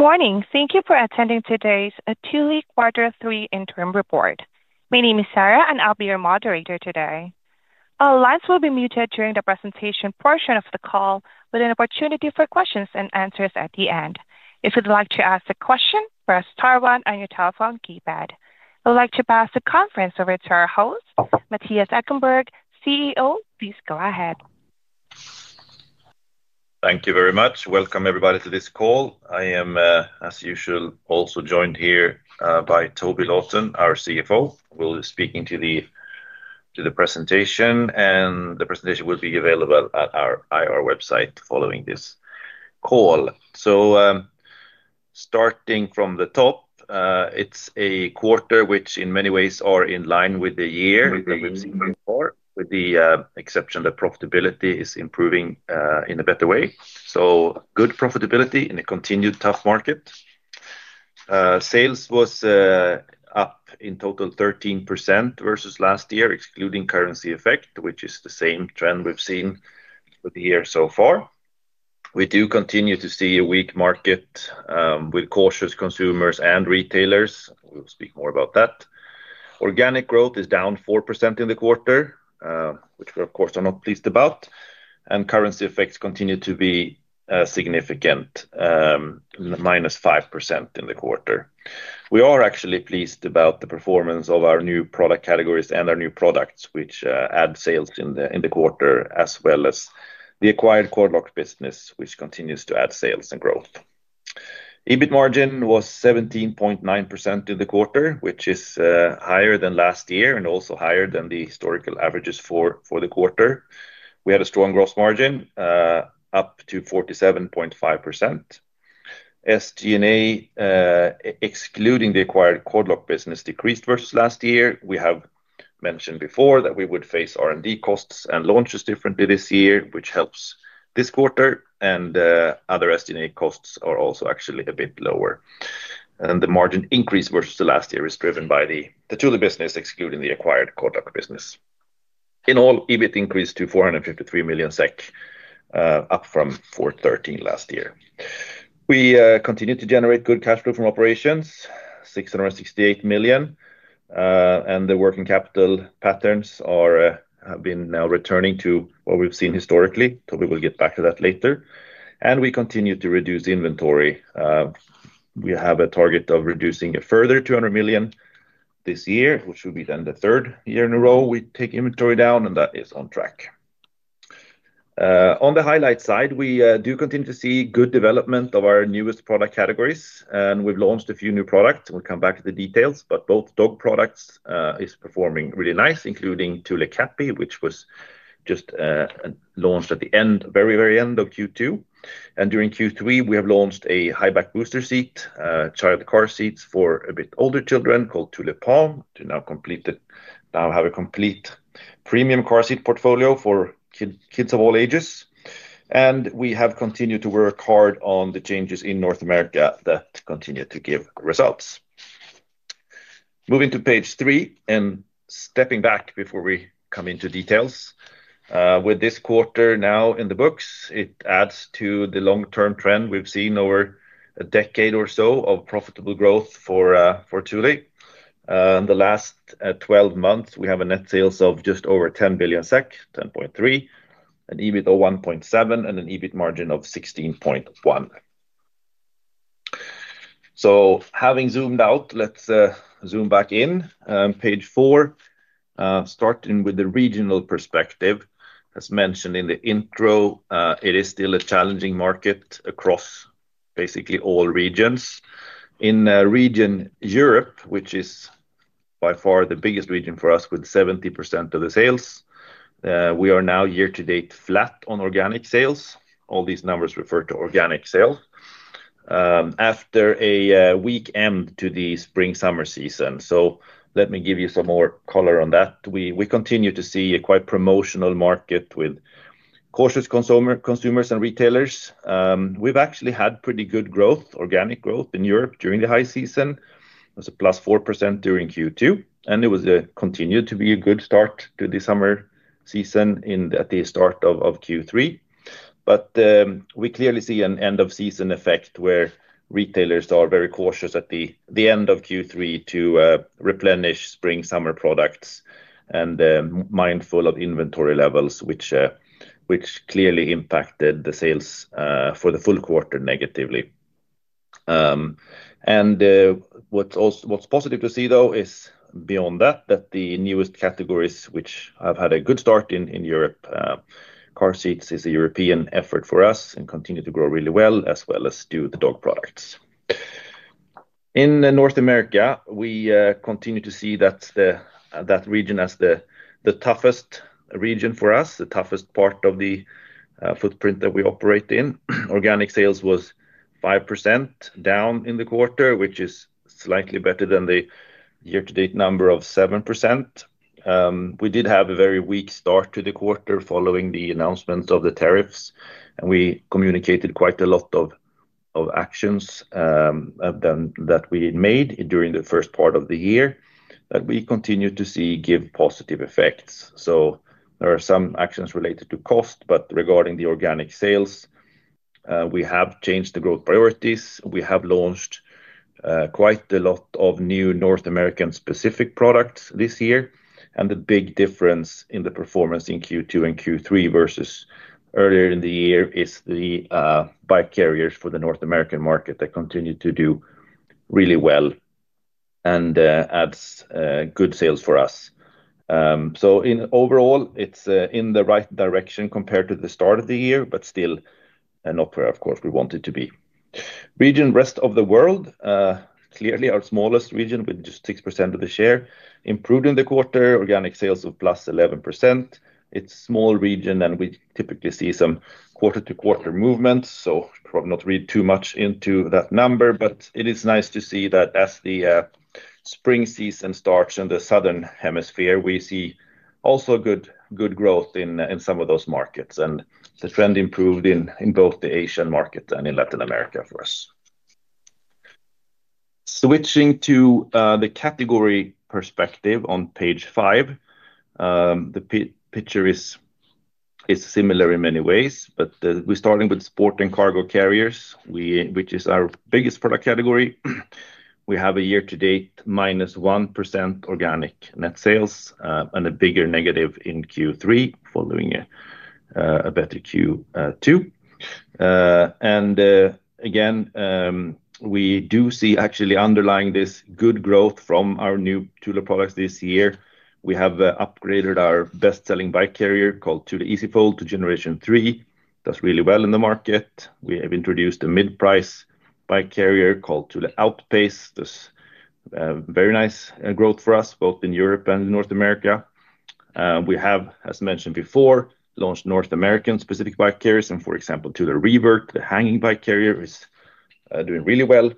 Good morning. Thank you for attending today's Thule Group AB Q3 interim report. My name is Sarah, and I'll be your moderator today. All lines will be muted during the presentation portion of the call, with an opportunity for questions and answers at the end. If you'd like to ask a question, press star one on your telephone keypad. I would like to pass the conference over to our host, Mattias Ankarberg, CEO. Please go ahead. Thank you very much. Welcome, everybody, to this call. I am, as usual, also joined here by Toby Lawton, our CFO, who will be speaking to the presentation, and the presentation will be available on our IR website following this call. Starting from the top, it's a quarter which, in many ways, is in line with the year that we've seen before, with the exception that profitability is improving in a better way. Good profitability in a continued tough market. Sales were up in total 13% versus last year, excluding currency effect, which is the same trend we've seen for the year so far. We do continue to see a weak market with cautious consumers and retailers. We'll speak more about that. Organic growth is down 4% in the quarter, which we, of course, are not pleased about, and currency effects continue to be significant, minus 5% in the quarter. We are actually pleased about the performance of our new product categories and our new products, which add sales in the quarter, as well as the acquired Quad Lock business, which continues to add sales and growth. EBIT margin was 17.9% in the quarter, which is higher than last year and also higher than the historical averages for the quarter. We had a strong gross margin up to 47.5%. SG&A, excluding the acquired Quad Lock business, decreased versus last year. We have mentioned before that we would phase R&D costs and launches differently this year, which helps this quarter, and other SG&A costs are also actually a bit lower. The margin increase versus last year is driven by the Thule business, excluding the acquired Quad Lock business. In all, EBIT increased to 453 million SEK, up from 413 million last year. We continue to generate good cash flow from operations, 668 million, and the working capital patterns have been now returning to what we've seen historically. Toby will get back to that later. We continue to reduce inventory. We have a target of reducing it further to 200 million this year, which will be then the third year in a row we take inventory down, and that is on track. On the highlight side, we do continue to see good development of our newest product categories, and we've launched a few new products. We'll come back to the details, but both dog products are performing really nice, including Thule Catbie, which was just launched at the very, very end of Q2. During Q3, we have launched a high-back booster seat, child car seats for a bit older children called Thule Pawn. They now have a complete premium car seat portfolio for kids of all ages. We have continued to work hard on the changes in North America that continue to give results. Moving to page three and stepping back before we come into details, with this quarter now in the books, it adds to the long-term trend we've seen over a decade or so of profitable growth for Thule. In the last 12 months, we have net sales of just over 10 billion SEK, 10.3 billion, an EBIT of 1.7 billion, and an EBIT margin of 16.1%. Having zoomed out, let's zoom back in. Page four, starting with the regional perspective. As mentioned in the intro, it is still a challenging market across basically all regions. In region Europe, which is by far the biggest region for us with 70% of the sales, we are now year-to-date flat on organic sales. All these numbers refer to organic sales. After a weak end to the spring/summer season, let me give you some more color on that. We continue to see a quite promotional market with cautious consumers and retailers. We've actually had pretty good growth, organic growth in Europe during the high season. It was a plus 4% during Q2, and it continued to be a good start to the summer season at the start of Q3. We clearly see an end-of-season effect where retailers are very cautious at the end of Q3 to replenish spring/summer products and mindful of inventory levels, which clearly impacted the sales for the full quarter negatively. What's positive to see, though, is beyond that, the newest categories, which have had a good start in Europe. Car seats is a European effort for us and continue to grow really well, as well as do the dog products. In North America, we continue to see that region as the toughest region for us, the toughest part of the footprint that we operate in. Organic sales was 5% down in the quarter, which is slightly better than the year-to-date number of 7%. We did have a very weak start to the quarter following the announcements of the tariffs, and we communicated quite a lot of actions that we made during the first part of the year that we continue to see give positive effects. There are some actions related to cost, but regarding the organic sales, we have changed the growth priorities. We have launched quite a lot of new North American-specific products this year, and the big difference in the performance in Q2 and Q3 versus earlier in the year is the bike carriers for the North American market that continue to do really well and add good sales for us. Overall, it's in the right direction compared to the start of the year, but still not where, of course, we wanted to be. Region rest of the world, clearly our smallest region with just 6% of the share, improved in the quarter. Organic sales of plus 11%. It's a small region, and we typically see some quarter-to-quarter movements, so I'll not read too much into that number, but it is nice to see that as the spring season starts in the southern hemisphere, we see also good growth in some of those markets, and the trend improved in both the Asian markets and in Latin America for us. Switching to the category perspective on page five, the picture is similar in many ways, but we're starting with Sport & Cargo Carriers, which is our biggest product category. We have a year-to-date minus 1% organic net sales and a bigger negative in Q3 following a better Q2. We do see actually underlying this good growth from our new Thule products this year. We have upgraded our best-selling bike carrier called Thule EasyFold to Generation 3. It does really well in the market. We have introduced a mid-price bike carrier called Thule OutPace. It's a very nice growth for us, both in Europe and in North America. We have, as mentioned before, launched North American-specific bike carriers and, for example, Thule ReVert, the hanging bike carrier, is doing really well.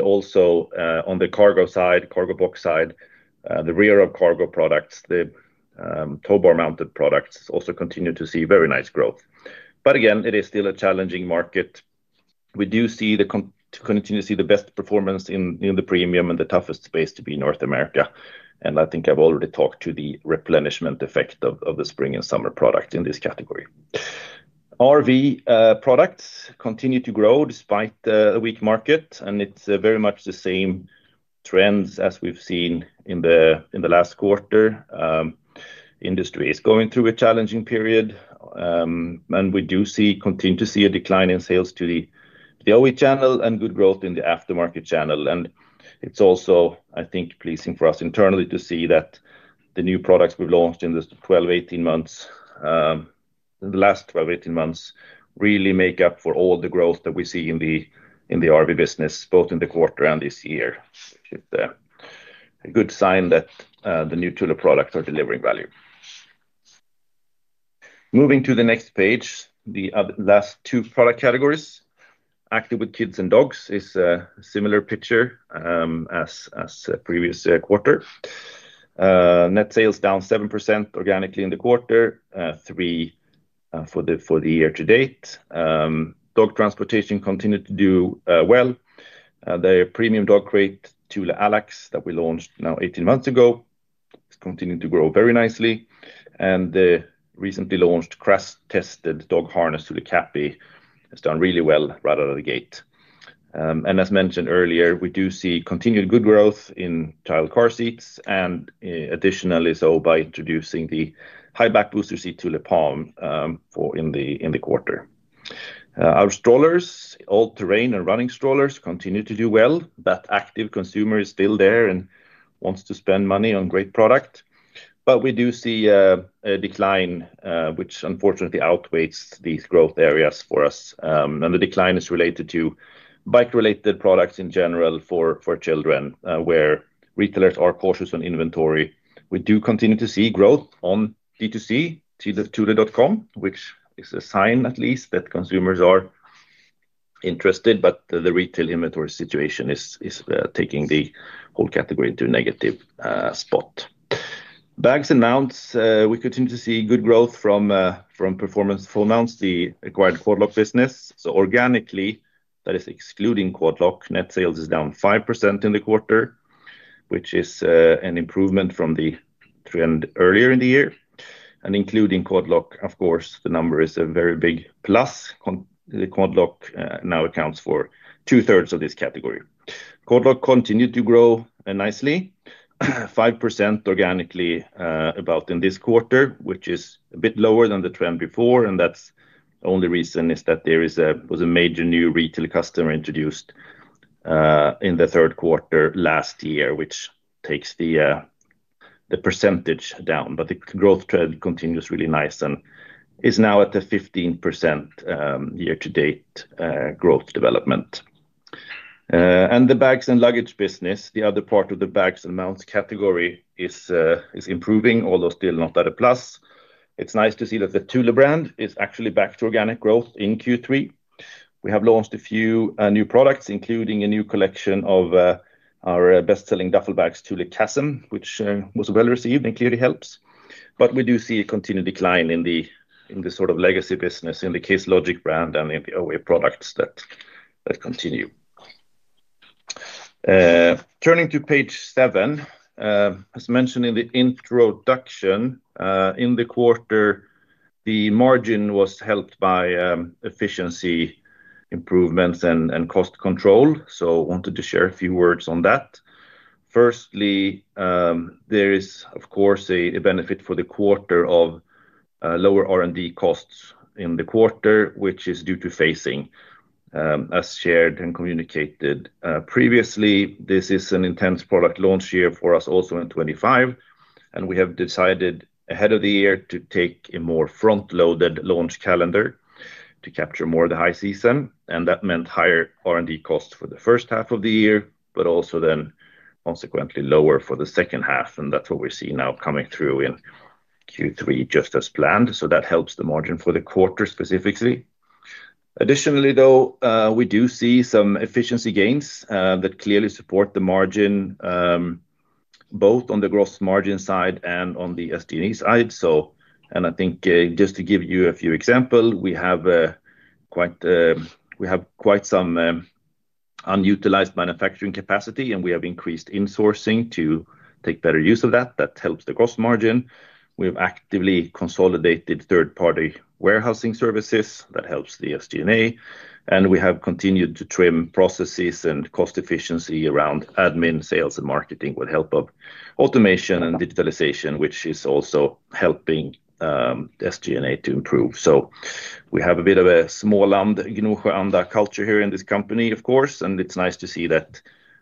Also on the cargo side, cargo box side, the rear-up cargo products, the towbar-mounted products also continue to see very nice growth. It is still a challenging market. We do continue to see the best performance in the premium and the toughest space to be in North America. I think I've already talked to the replenishment effect of the spring and summer products in this category. RV Products continue to grow despite the weak market, and it's very much the same trends as we've seen in the last quarter. The industry is going through a challenging period, and we do continue to see a decline in sales to the OE channel and good growth in the aftermarket channel. It's also, I think, pleasing for us internally to see that the new products we've launched in the last 12 months-18 months really make up for all the growth that we see in the RV business, both in the quarter and this year. It's a good sign that the new Thule products are delivering value. Moving to the next page, the last two product categories. Active with Kids & Dogs is a similar picture as the previous quarter. Net sales down 7% organically in the quarter, 3% for the year to date. Dog transportation continued to do well. Their premium dog crate, Thule Allax, that we launched now 18 months ago has continued to grow very nicely. The recently launched crash-tested dog harness, Thule Catbie, has done really well right out of the gate. As mentioned earlier, we do see continued good growth in child car seats and additionally so by introducing the high-back booster seat, Thule Pawn, in the quarter. Our strollers, all-terrain and running strollers, continue to do well. That active consumer is still there and wants to spend money on great product. We do see a decline, which unfortunately outweighs these growth areas for us. The decline is related to bike-related products in general for children, where retailers are cautious on inventory. We do continue to see growth on D2C, thule.com, which is a sign at least that consumers are interested, but the retail inventory situation is taking the whole category into a negative spot. Bags & Mounts, we continue to see good growth from performance for mounts, the acquired Quad Lock business. Organically, that is excluding Quad Lock, net sales is down 5% in the quarter, which is an improvement from the trend earlier in the year. Including Quad Lock, of course, the number is a very big plus. Quad Lock now accounts for two-thirds of this category. Quad Lock continued to grow nicely, 5% organically about in this quarter, which is a bit lower than the trend before. The only reason is that there was a major new retail customer introduced in the third quarter last year, which takes the percentage down. The growth trend continues really nice and is now at the 15% year-to-date growth development. The bags and luggage business, the other part of the Bags & Mounts category, is improving, although still not at a plus. It's nice to see that the Thule brand is actually back to organic growth in Q3. We have launched a few new products, including a new collection of our best-selling duffel bags, Thule Chasm, which was well received and clearly helps. We do see a continued decline in the sort of legacy business, in the Case Logic brand, and in the OE products that continue. Turning to page seven, as mentioned in the introduction, in the quarter, the margin was helped by efficiency improvements and cost control. I wanted to share a few words on that. Firstly, there is, of course, a benefit for the quarter of lower R&D costs in the quarter, which is due to phasing. As shared and communicated previously, this is an intense product launch year for us also in 2025. We have decided ahead of the year to take a more front-loaded launch calendar to capture more of the high season. That meant higher R&D costs for the first half of the year, but also then consequently lower for the second half. That's what we're seeing now coming through in Q3 just as planned. That helps the margin for the quarter specifically. Additionally, we do see some efficiency gains that clearly support the margin, both on the gross margin side and on the SG&A side. I think just to give you a few examples, we have quite some unutilized manufacturing capacity, and we have increased insourcing to take better use of that. That helps the gross margin. We have actively consolidated third-party warehousing services. That helps the SG&A. We have continued to trim processes and cost efficiency around admin sales and marketing with the help of automation and digitalization, which is also helping the SG&A to improve. We have a bit of a small land culture here in this company, of course, and it's nice to see that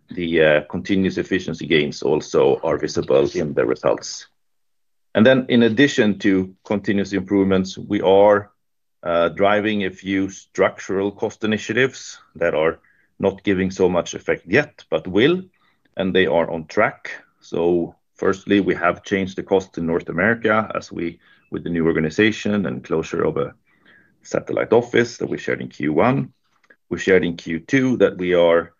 the continuous efficiency gains also are visible in the results. In addition to continuous improvements, we are driving a few structural cost initiatives that are not giving so much effect yet, but will, and they are on track. Firstly, we have changed the cost in North America as we, with the new organization and closure of a satellite office that we shared in Q1. We shared in Q2 that we are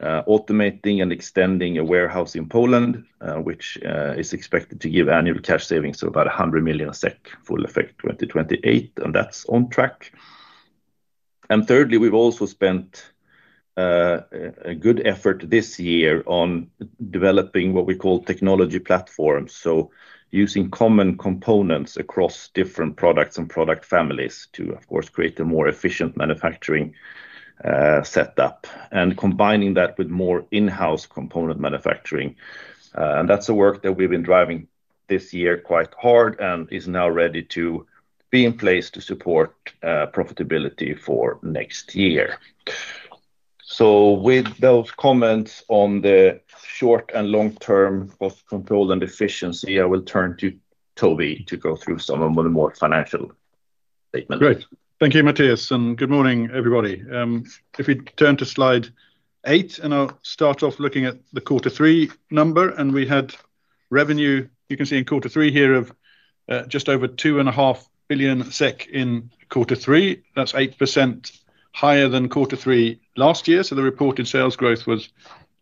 automating and extending a warehouse in Poland, which is expected to give annual cash savings of about 100 million SEK full effect 2028, and that's on track. Thirdly, we've also spent a good effort this year on developing what we call technology platforms. Using common components across different products and product families to, of course, create a more efficient manufacturing setup and combining that with more in-house component manufacturing. That's the work that we've been driving this year quite hard and is now ready to be in place to support profitability for next year. With those comments on the short and long-term cost control and efficiency, I will turn to Toby to go through some of the more financial statements. Great. Thank you, Mattias, and good morning, everybody. If we turn to slide eight, and I'll start off looking at the quarter three number, and we had revenue, you can see in quarter three here of just over 2.5 billion SEK in quarter three. That's 8% higher than quarter three last year. The reported sales growth was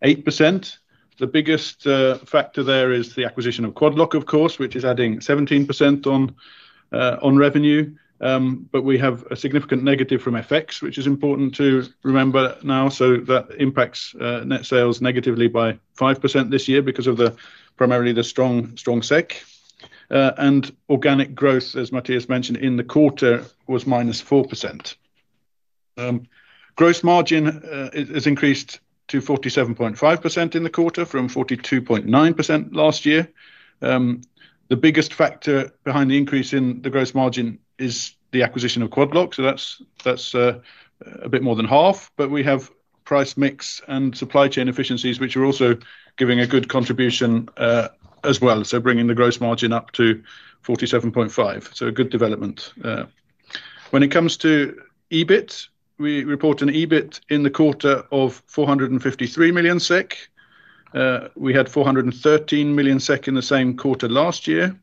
8%. The biggest factor there is the acquisition of Quad Lock, of course, which is adding 17% on revenue. We have a significant negative from FX, which is important to remember now. That impacts net sales negatively by 5% this year because of primarily the strong SEK. Organic growth, as Mattias mentioned, in the quarter was -4%. Gross margin has increased to 47.5% in the quarter from 42.9% last year. The biggest factor behind the increase in the gross margin is the acquisition of Quad Lock. That's a bit more than half, but we have price mix and supply chain efficiencies, which are also giving a good contribution as well, bringing the gross margin up to 47.5%. A good development. When it comes to EBIT, we report an EBIT in the quarter of 453 million SEK. We had 413 million SEK in the same quarter last year.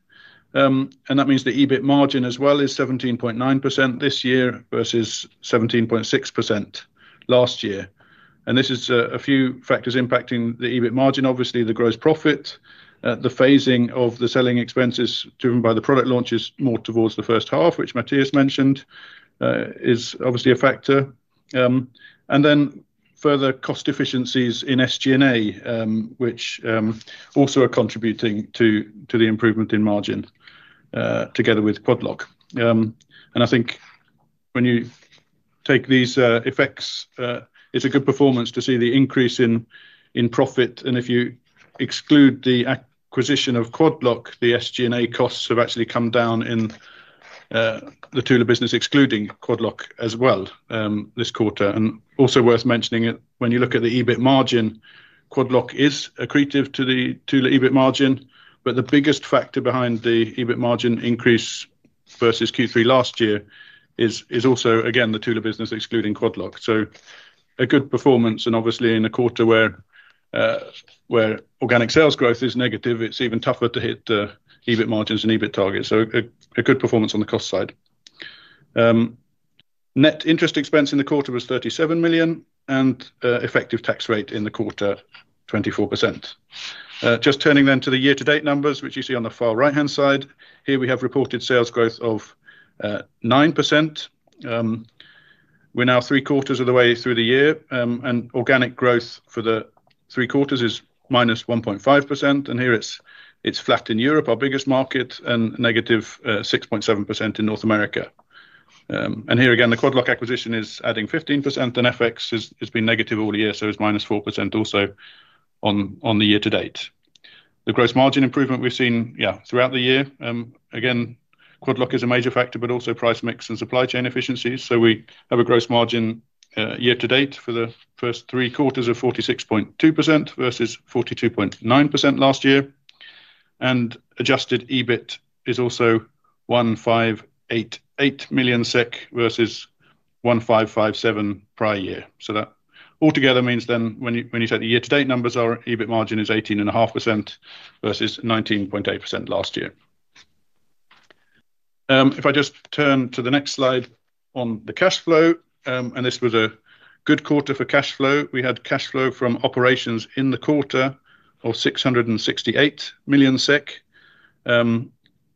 That means the EBIT margin as well is 17.9% this year versus 17.6% last year. This is a few factors impacting the EBIT margin. Obviously, the gross profit, the phasing of the selling expenses driven by the product launches more towards the first half, which Mattias mentioned, is obviously a factor. Further cost efficiencies in SG&A, which also are contributing to the improvement in margin together with Quad Lock. I think when you take these effects, it's a good performance to see the increase in profit. If you exclude the acquisition of Quad Lock, the SG&A costs have actually come down in the Thule business excluding Quad Lock as well this quarter. Also worth mentioning that when you look at the EBIT margin, Quad Lock is accretive to the Thule EBIT margin, but the biggest factor behind the EBIT margin increase versus Q3 last year is also, again, the Thule business excluding Quad Lock. A good performance. Obviously, in a quarter where organic sales growth is negative, it's even tougher to hit the EBIT margins and EBIT targets. A good performance on the cost side. Net interest expense in the quarter was 37 million, and effective tax rate in the quarter, 24%. Just turning then to the year-to-date numbers, which you see on the far right-hand side, here we have reported sales growth of 9%. We're now three quarters of the way through the year, and organic growth for the three quarters is minus 1.5%. Here it's flat in Europe, our biggest market, and negative 6.7% in North America. Here again, the Quad Lock acquisition is adding 15%, and FX has been negative all year, so it's minus 4% also on the year-to-date. The gross margin improvement we've seen throughout the year. Again, Quad Lock is a major factor, but also price mix and supply chain efficiencies. We have a gross margin year-to-date for the first three quarters of 46.2% versus 42.9% last year. Adjusted EBIT is also 1,588 million SEK versus 1,557 million prior year. That altogether means then when you take the year-to-date numbers, our EBIT margin is 18.5% versus 19.8% last year. If I just turn to the next slide on the cash flow, this was a good quarter for cash flow. We had cash flow from operations in the quarter of 668 million SEK,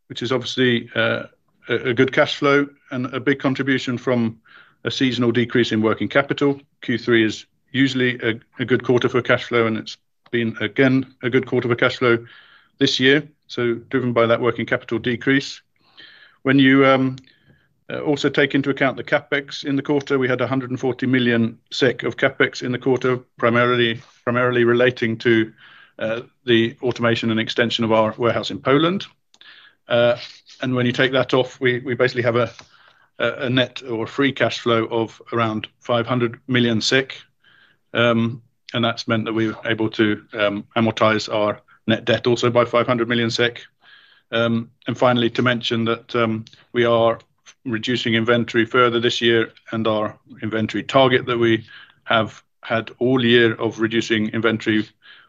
which is obviously a good cash flow and a big contribution from a seasonal decrease in working capital. Q3 is usually a good quarter for cash flow, and it's been again a good quarter for cash flow this year, driven by that working capital decrease. When you also take into account the CapEx in the quarter, we had 140 million SEK of CapEx in the quarter, primarily relating to the automation and extension of our warehouse in Poland. When you take that off, we basically have a net or free cash flow of around 500 million, and that's meant that we're able to amortize our net debt also by 500 million SEK. Finally, to mention that we are reducing inventory further this year, and our inventory target that we have had all year of reducing inventory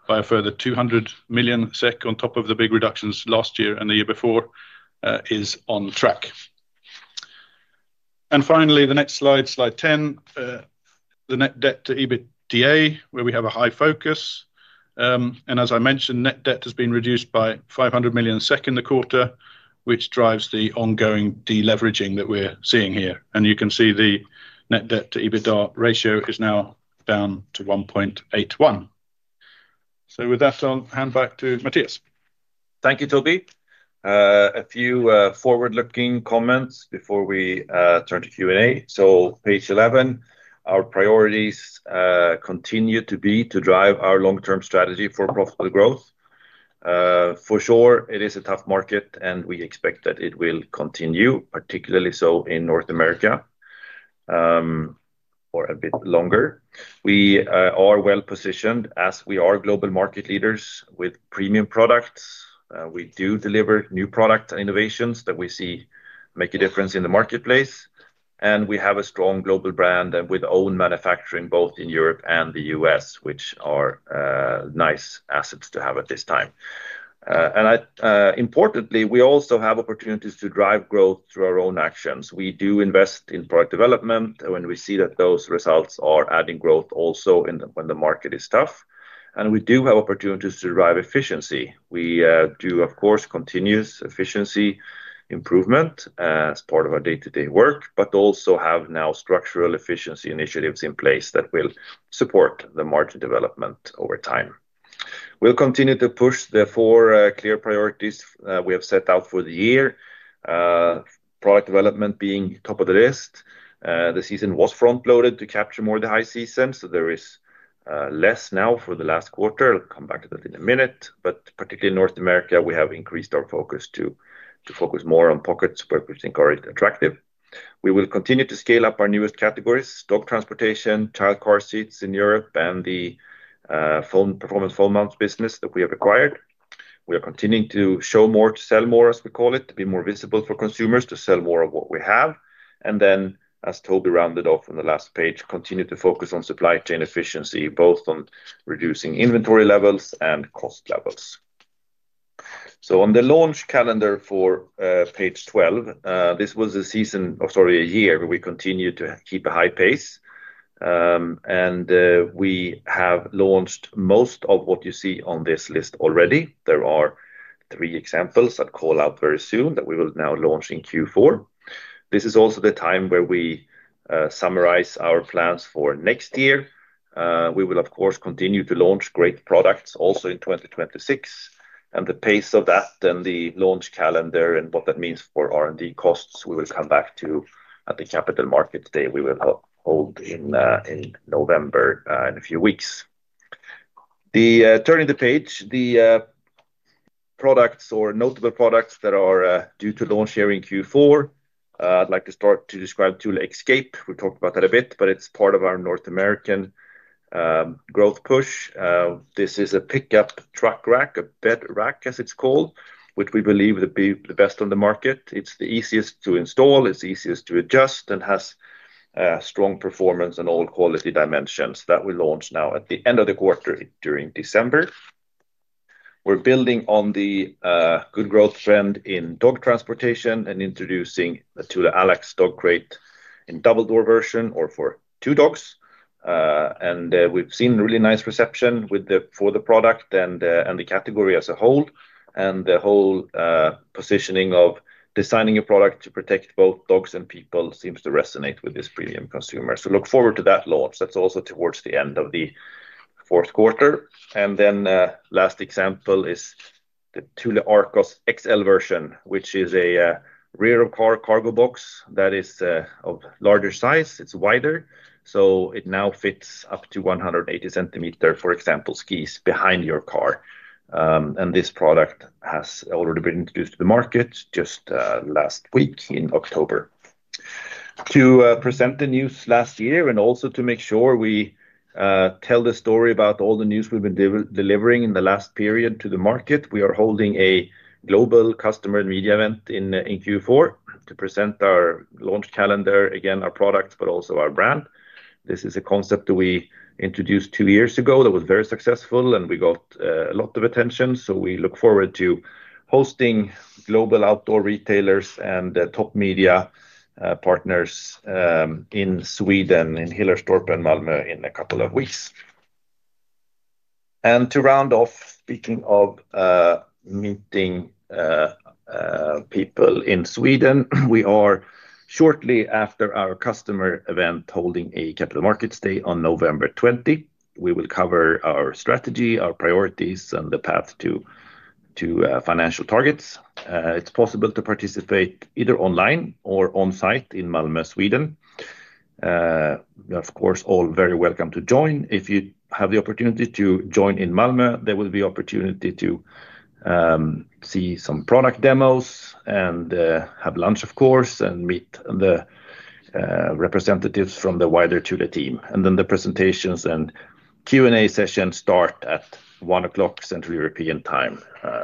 by a further 200 million SEK on top of the big reductions last year and the year before is on track. The next slide, slide 10, the net debt to EBITDA, where we have a high focus. As I mentioned, net debt has been reduced by 500 million in the quarter, which drives the ongoing deleveraging that we're seeing here. You can see the net debt to EBITDA ratio is now down to 1.81. With that, I'll hand back to Mattias. Thank you, Toby. A few forward-looking comments before we turn to Q&A. Page 11, our priorities continue to be to drive our long-term strategy for profitable growth. For sure, it is a tough market, and we expect that it will continue, particularly in North America for a bit longer. We are well positioned as we are global market leaders with premium products. We do deliver new product innovations that we see make a difference in the marketplace. We have a strong global brand with own manufacturing both in Europe and the U.S., which are nice assets to have at this time. Importantly, we also have opportunities to drive growth through our own actions. We do invest in product development when we see that those results are adding growth also when the market is tough. We do have opportunities to drive efficiency. We do, of course, continuous efficiency improvement as part of our day-to-day work, but also have now structural efficiency initiatives in place that will support the market development over time. We will continue to push the four clear priorities we have set out for the year, product development being top of the list. The season was front-loaded to capture more of the high season, so there is less now for the last quarter. I'll come back to that in a minute. Particularly in North America, we have increased our focus to focus more on pockets where we think are attractive. We will continue to scale up our newest categories, dog transportation, child car seats in Europe, and the performance phone mounts business that we have acquired. We are continuing to show more, to sell more, as we call it, to be more visible for consumers, to sell more of what we have. As Toby rounded off on the last page, continue to focus on supply chain efficiency, both on reducing inventory levels and cost levels. On the launch calendar for page 12, this was a season, or sorry, a year where we continue to keep a high pace. We have launched most of what you see on this list already. There are three examples I'll call out very soon that we will now launch in Q4. This is also the time where we summarize our plans for next year. We will, of course, continue to launch great products also in 2026. The pace of that and the launch calendar and what that means for R&D costs, we will come back to at the Capital Markets Day we will hold in November in a few weeks. Turning the page, the products or notable products that are due to launch here in Q4, I'd like to start to describe Thule Escape. We talked about that a bit, but it's part of our North American growth push. This is a pickup truck rack, a bed rack, as it's called, which we believe would be the best on the market. It's the easiest to install, it's the easiest to adjust, and has strong performance in all quality dimensions. That will launch now at the end of the quarter during December. We're building on the good growth trend in dog transportation and introducing the Thule Allax dog crate in double door version or for two dogs. We've seen really nice reception for the product and the category as a whole. The whole positioning of designing a product to protect both dogs and people seems to resonate with this premium consumer. Look forward to that launch. That's also towards the end of the fourth quarter. The last example is the Thule Arcos XL version, which is a rear car cargo box that is of larger size. It's wider, so it now fits up to 180 centimeters, for example, skis behind your car. This product has already been introduced to the market just last week in October. To present the news last year and also to make sure we tell the story about all the news we've been delivering in the last period to the market, we are holding a global customer media event in Q4 to present our launch calendar, again, our products, but also our brand. This is a concept that we introduced two years ago that was very successful and we got a lot of attention. We look forward to hosting global outdoor retailers and top media partners in Sweden, in Hillerstorp and Malmö in a couple of weeks. To round off, speaking of meeting people in Sweden, we are shortly after our customer event holding a Capital Markets Day on November 20th. We will cover our strategy, our priorities, and the path to financial targets. It's possible to participate either online or on site in Malmö, Sweden. You are, of course, all very welcome to join. If you have the opportunity to join in Malmö, there will be an opportunity to see some product demos and have lunch, of course, and meet the representatives from the wider Thule team. The presentations and Q&A sessions start at 1:00 P.M. Central European Time,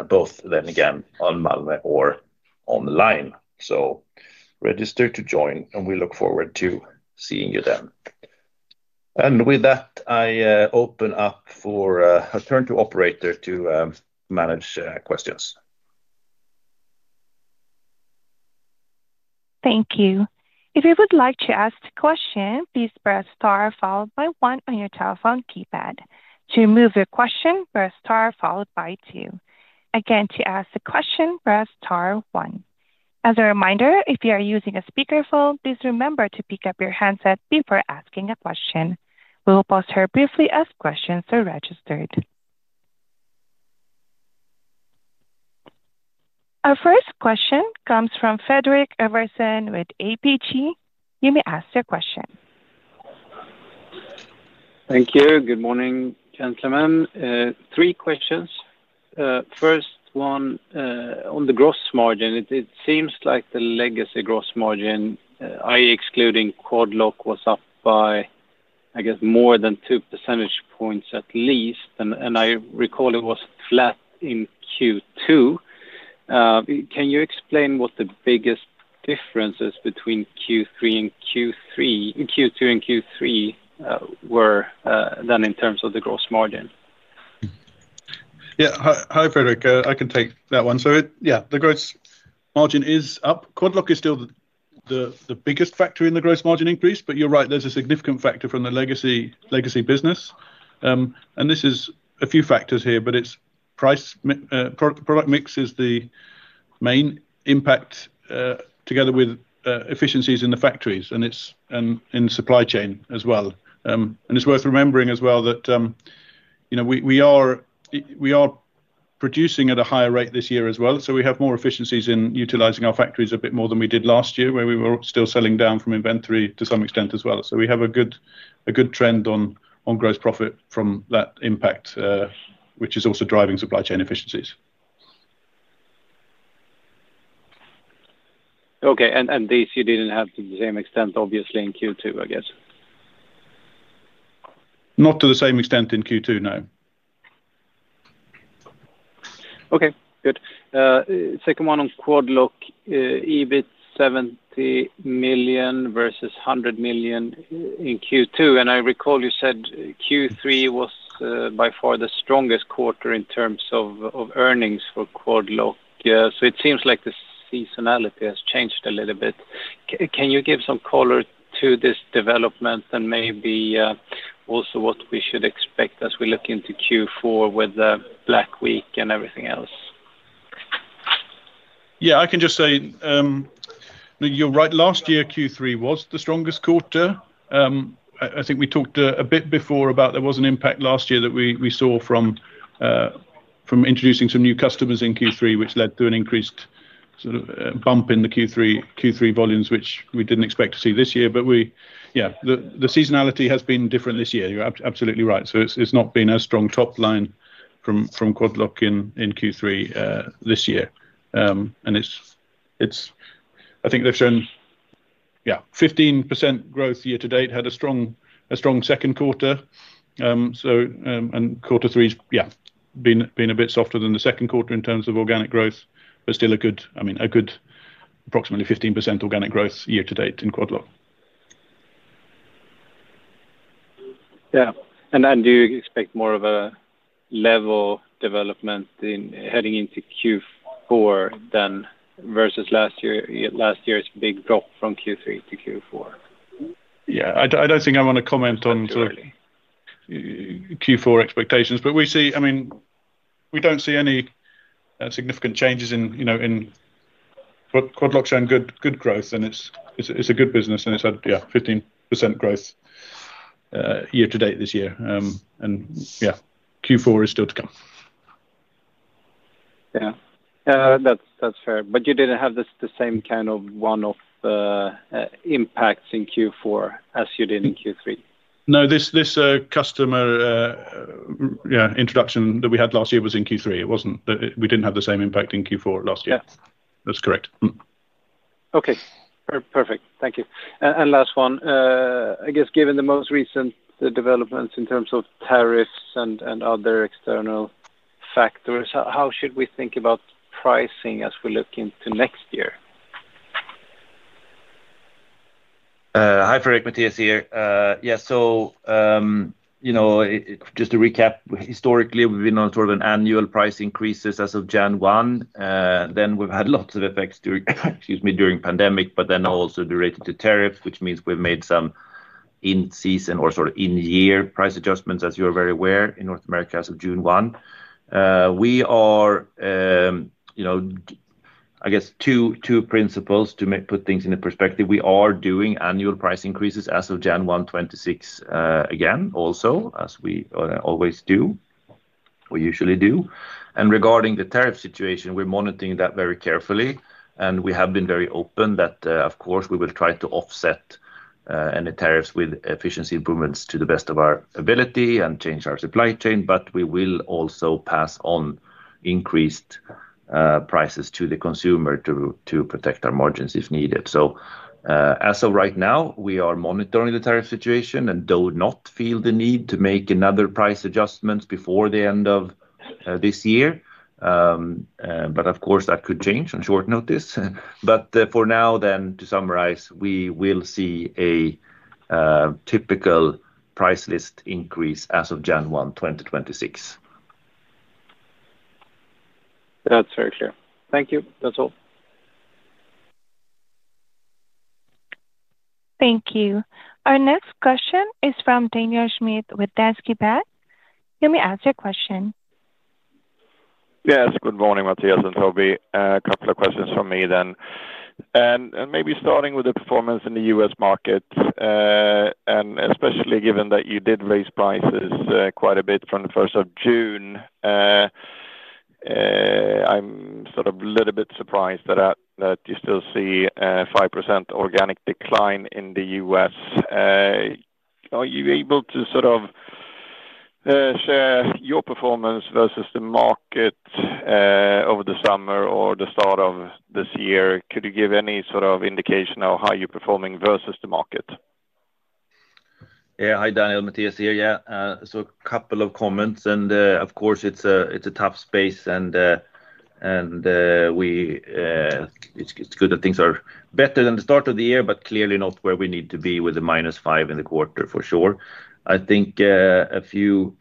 both then again in Malmö or online. Register to join, and we look forward to seeing you then. With that, I open up for a turn to operator to manage questions. Thank you. If you would like to ask a question, please press star followed by one on your telephone keypad. To remove your question, press star followed by two. Again, to ask a question, press star one. As a reminder, if you are using a speaker phone, please remember to pick up your headset before asking a question. We will pause here briefly as questions are registered. Our first question comes from Fredrik Ivarsson with ABG Sundal Collier. You may ask your question. Thank you. Good morning, gentlemen. Three questions. First one, on the gross margin, it seems like the legacy gross margin, i.e. excluding Quad Lock, was up by, I guess, more than 2% at least. I recall it was flat in Q2. Can you explain what the biggest differences between Q2 and Q3 were in terms of the gross margin? Yeah. Hi, Fredrik. I can take that one. Yeah, the gross margin is up. Quad Lock is still the biggest factor in the gross margin increase, but you're right, there's a significant factor from the legacy business. This is a few factors here, but it's product mix is the main impact together with efficiencies in the factories and in the supply chain as well. It's worth remembering as well that we are producing at a higher rate this year as well. We have more efficiencies in utilizing our factories a bit more than we did last year, where we were still selling down from inventory to some extent as well. We have a good trend on gross profit from that impact, which is also driving supply chain efficiencies. Okay. You didn't have to the same extent, obviously, in Q2, I guess. Not to the same extent in Q2, no. Okay. Good. Second one on Quad Lock, EBIT $70 million versus $100 million in Q2. I recall you said Q3 was by far the strongest quarter in terms of earnings for Quad Lock. It seems like the seasonality has changed a little bit. Can you give some color to this development and maybe also what we should expect as we look into Q4 with the Black Week and everything else? Yeah. I can just say, you're right. Last year, Q3 was the strongest quarter. I think we talked a bit before about there was an impact last year that we saw from introducing some new customers in Q3, which led to an increased sort of bump in the Q3 volumes, which we didn't expect to see this year. The seasonality has been different this year. You're absolutely right. It's not been as strong top line from Quad Lock in Q3 this year. I think they've shown 15% growth year to date, had a strong second quarter. Quarter three's been a bit softer than the second quarter in terms of organic growth, but still a good, I mean, a good approximately 15% organic growth year to date in Quad Lock. Do you expect more of a level development heading into Q4 versus last year's big drop from Q3 to Q4? Yeah. I don't think I want to comment on Q4 expectations, but we see, I mean, we don't see any significant changes in Quad Lock showing good growth, and it's a good business, and it's had 15% growth year to date this year. Q4 is still to come. Yeah, that's fair. You didn't have the same kind of one-off impacts in Q4 as you did in Q3? No, this customer introduction that we had last year was in Q3. It wasn't that we didn't have the same impact in Q4 last year. That's correct. Okay. Perfect. Thank you. Last one, I guess given the most recent developments in terms of tariffs and other external factors, how should we think about pricing as we look into next year? Hi, Fredrik. Mattias here. Yeah. Just to recap, historically, we've been on sort of an annual price increases as of Jan 1. Then we've had lots of effects during the pandemic, but then also related to tariffs, which means we've made some in-season or sort of in-year price adjustments, as you're very aware, in North America as of June 1. I guess, two principles to put things into perspective. We are doing annual price increases as of January 1st, 2026, again, also, as we always do or usually do. Regarding the tariff situation, we're monitoring that very carefully. We have been very open that, of course, we will try to offset any tariffs with efficiency improvements to the best of our ability and change our supply chain, but we will also pass on increased prices to the consumer to protect our margins if needed. As of right now, we are monitoring the tariff situation and do not feel the need to make another price adjustment before the end of this year. Of course, that could change on short notice. For now, to summarize, we will see a typical price list increase as of January 1st, 2026. That's very clear. Thank you. That's all. Thank you. Our next question is from Daniel Schmidt with Danske Bank. You may ask your question. Yes. Good morning, Mattias and Toby. A couple of questions from me. Maybe starting with the performance in the U.S. markets, especially given that you did raise prices quite a bit from the 1st of June, I'm sort of a little bit surprised that you still see a 5% organic decline in the U.S. Are you able to share your performance versus the market over the summer or the start of this year? Could you give any indication of how you're performing versus the market? Yeah. Hi, Daniel. Mattias here. Yeah. A couple of comments. Of course, it's a tough space. It's good that things are better than the start of the year, but clearly not where we need to be with a minus 5% in the quarter for sure. I think a few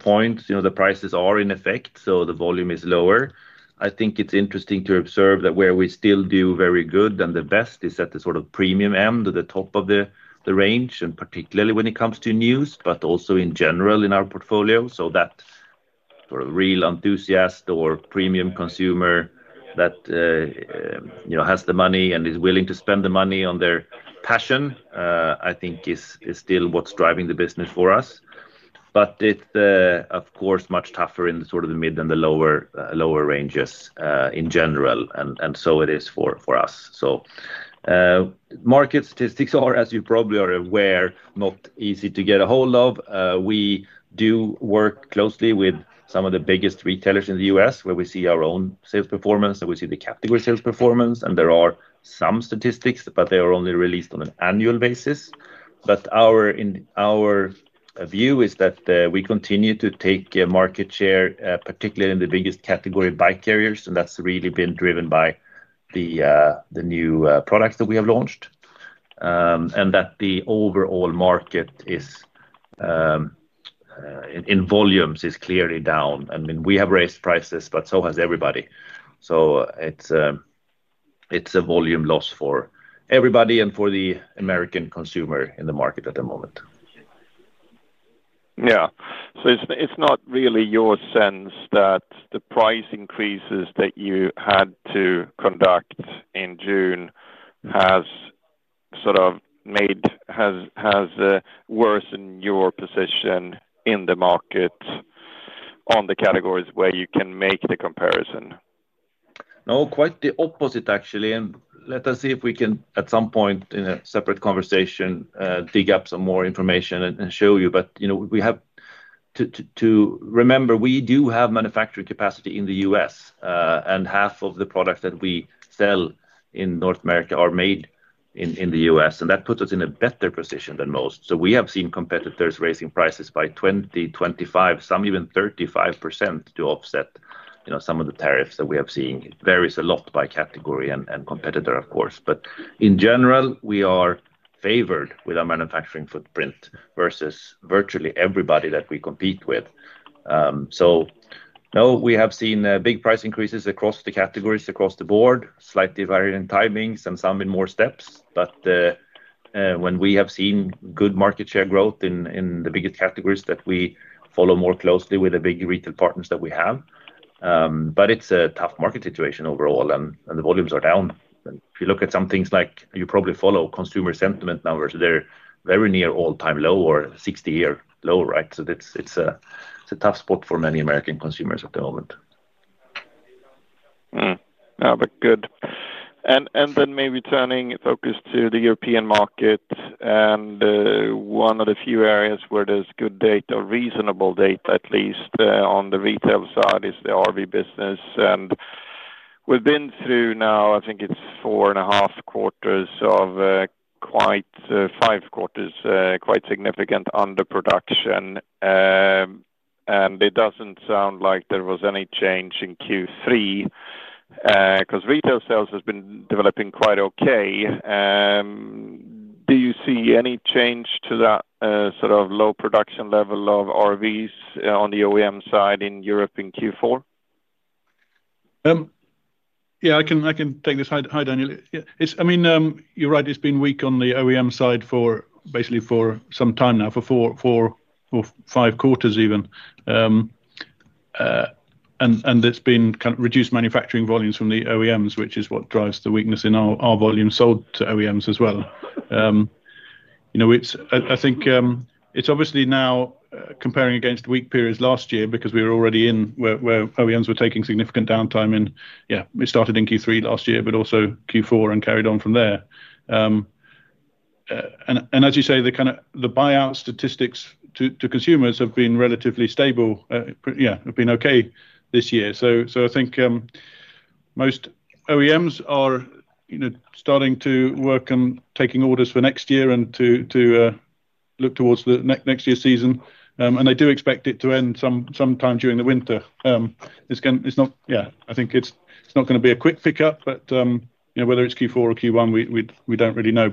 points, you know, the prices are in effect, so the volume is lower. I think it's interesting to observe that where we still do very good and the best is at the sort of premium end, at the top of the range, and particularly when it comes to news, but also in general in our portfolio. That sort of real enthusiast or premium consumer that has the money and is willing to spend the money on their passion, I think, is still what's driving the business for us. It's much tougher in the sort of the mid and the lower ranges in general. It is for us. Market statistics are, as you probably are aware, not easy to get a hold of. We do work closely with some of the biggest retailers in the U.S. where we see our own sales performance and we see the category sales performance. There are some statistics, but they are only released on an annual basis. Our view is that we continue to take market share, particularly in the biggest category, bike carriers. That's really been driven by the new products that we have launched. The overall market in volumes is clearly down. We have raised prices, but so has everybody. It's a volume loss for everybody and for the American consumer in the market at the moment. It's not really your sense that the price increases that you had to conduct in June have worsened your position in the market on the categories where you can make the comparison? No, quite the opposite, actually. Let us see if we can, at some point in a separate conversation, dig up some more information and show you. You know, we have to remember, we do have manufacturing capacity in the U.S., and half of the products that we sell in North America are made in the U.S. That puts us in a better position than most. We have seen competitors raising prices by 20%, 25%, some even 35% to offset some of the tariffs that we have seen. It varies a lot by category and competitor, of course. In general, we are favored with our manufacturing footprint versus virtually everybody that we compete with. We have seen big price increases across the categories across the board, slightly varied in timings and some in more steps. We have seen good market share growth in the biggest categories that we follow more closely with the big retail partners that we have. It's a tough market situation overall, and the volumes are down. If you look at some things like you probably follow consumer sentiment numbers, they're very near all-time low or 60-year low, right? It's a tough spot for many American consumers at the moment. Good. Maybe turning focus to the European market. One of the few areas where there's good data, or reasonable data at least on the retail side, is the RV business. We've been through now, I think it's four and a half quarters, or quite five quarters, of quite significant underproduction. It doesn't sound like there was any change in Q3 because retail sales have been developing quite okay. Do you see any change to that sort of low production level of RVs on the OEM side in Europe in Q4? Yeah, I can take this. Hi, Daniel. Yeah, I mean, you're right. It's been weak on the OEM side for basically some time now, for four or five quarters even. It's been kind of reduced manufacturing volumes from the OEMs, which is what drives the weakness in our volume sold to OEMs as well. I think it's obviously now comparing against the weak periods last year because we were already in where OEMs were taking significant downtime in, yeah, we started in Q3 last year, but also Q4 and carried on from there. As you say, the kind of buyout statistics to consumers have been relatively stable. Yeah, have been okay this year. I think most OEMs are starting to work on taking orders for next year and to look towards the next year's season. They do expect it to end sometime during the winter. Yeah, I think it's not going to be a quick pickup, but whether it's Q4 or Q1, we don't really know.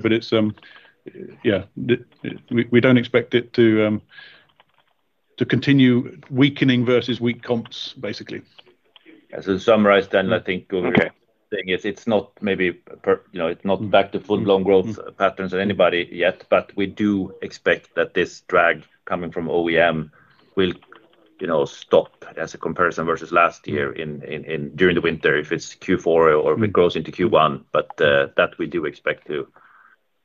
We don't expect it to continue weakening versus weak comps, basically. Yeah, to summarize then, I think what we're saying is it's not maybe, you know, it's not back to full-blown growth patterns in anybody yet, but we do expect that this drag coming from OEM will stop as a comparison versus last year during the winter, if it's Q4 or if it grows into Q1. We do expect it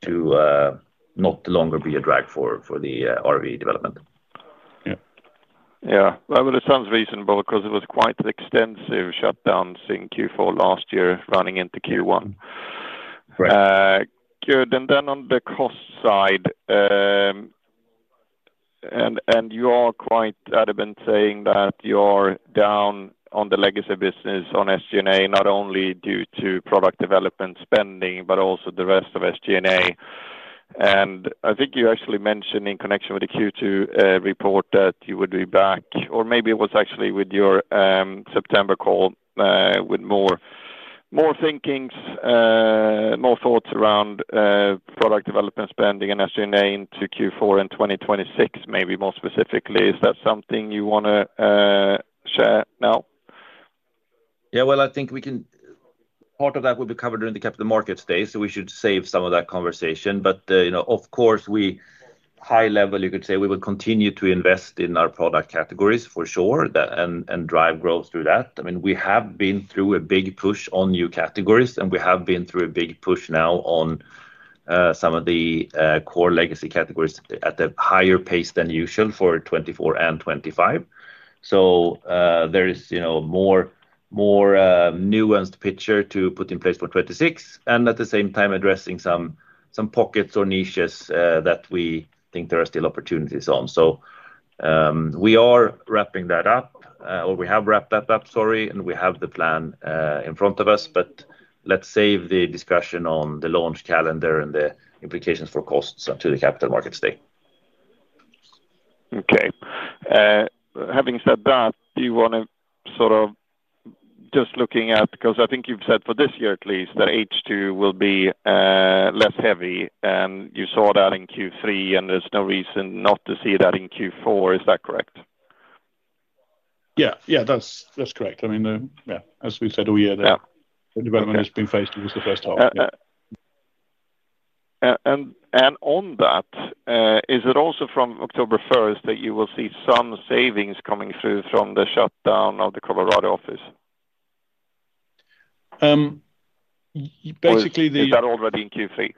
to not longer be a drag for the RV development. Yeah, it sounds reasonable because it was quite an extensive shutdown seeing Q4 last year running into Q1. Good. On the cost side, you are quite adamant saying that you are down on the legacy business on SG&A, not only due to product development spending, but also the rest of SG&A. I think you actually mentioned in connection with the Q2 report that you would be back, or maybe it was actually with your September call, with more thinkings, more thoughts around product development spending and SG&A into Q4 and 2026, maybe more specifically. Is that something you want to share now? I think we can, part of that will be covered during the Capital Markets Day, so we should save some of that conversation. Of course, at a high level, you could say we will continue to invest in our product categories for sure and drive growth through that. We have been through a big push on new categories, and we have been through a big push now on some of the core legacy categories at a higher pace than usual for 2024 and 2025. There is a more nuanced picture to put in place for 2026, and at the same time, addressing some pockets or niches that we think there are still opportunities on. We are wrapping that up, or we have wrapped that up, sorry, and we have the plan in front of us. Let's save the discussion on the launch calendar and the implications for costs until the Capital Markets Day. Okay. Having said that, do you want to just look at, because I think you've said for this year at least that H2 will be less heavy, and you saw that in Q3, and there's no reason not to see that in Q4. Is that correct? Yeah, that's correct. I mean, as we said all year, the development has been phased towards the first half. Is it also from October 1st that you will see some savings coming through from the shutdown of the Colorado office? Basically, the. Is that already in Q3?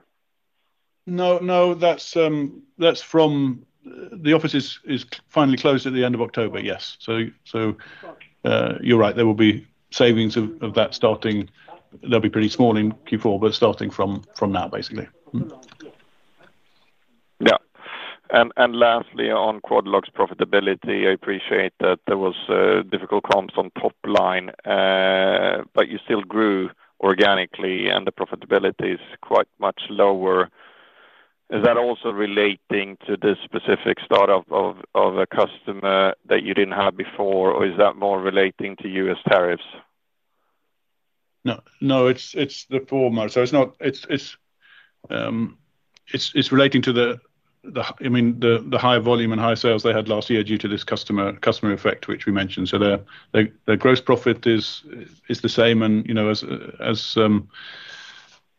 No, that's from the office is finally closed at the end of October, yes. You're right. There will be savings of that starting, they'll be pretty small in Q4, but starting from now, basically. Yeah. Lastly, on Quad Lock's profitability, I appreciate that there were difficult comps on top line, but you still grew organically, and the profitability is quite much lower. Is that also relating to the specific startup of a customer that you didn't have before, or is that more relating to U.S. tariffs? No, it's the former. It's relating to the high volume and high sales they had last year due to this customer effect, which we mentioned. Their gross profit is the same, and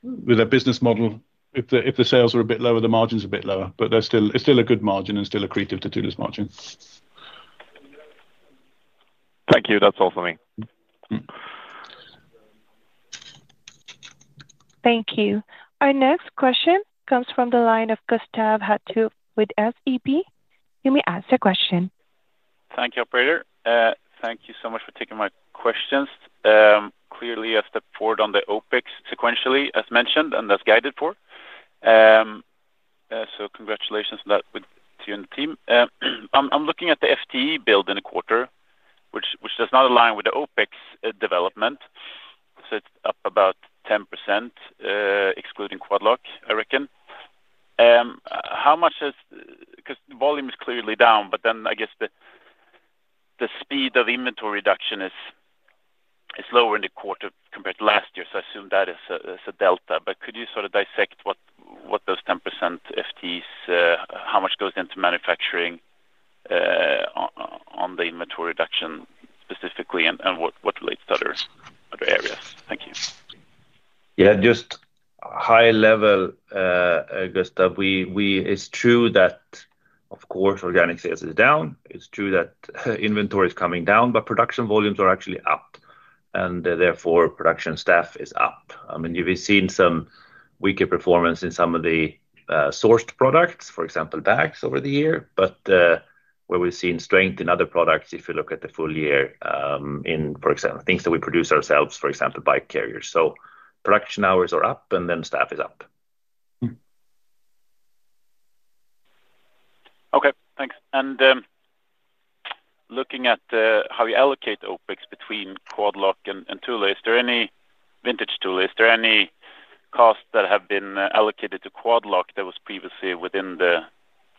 with their business model, if the sales are a bit lower, the margin is a bit lower, but it's still a good margin and still accretive to do this margin. Thank you. That's all for me. Thank you. Our next question comes from the line of Gustav Hagéus with SEB. You may ask your question. Thank you, operator. Thank you so much for taking my questions. Clearly, I stepped forward on the OpEx sequentially, as mentioned, and as guided for. Congratulations on that to you and the team. I'm looking at the FTE build in a quarter, which does not align with the OpEx development. It's up about 10%, excluding Quad Lock, I reckon. How much is, because the volume is clearly down, but I guess the speed of inventory reduction is lower in the quarter compared to last year. I assume that is a delta. Could you sort of dissect what those 10% FTEs, how much goes into manufacturing on the inventory reduction specifically, and what relates to other areas? Thank you. Yeah, just a high level, Gustav. It's true that, of course, organic sales is down. It's true that inventory is coming down, but production volumes are actually up, and therefore, production staff is up. We've seen some weaker performance in some of the sourced products, for example, bags over the year, but we've seen strength in other products if you look at the full year, in, for example, things that we produce ourselves, for example, bike carriers. Production hours are up, and then staff is up. Okay. Thanks. Looking at how you allocate OpEx between Quad Lock and Thule, is there any vintage Thule, is there any cost that has been allocated to Quad Lock that was previously within the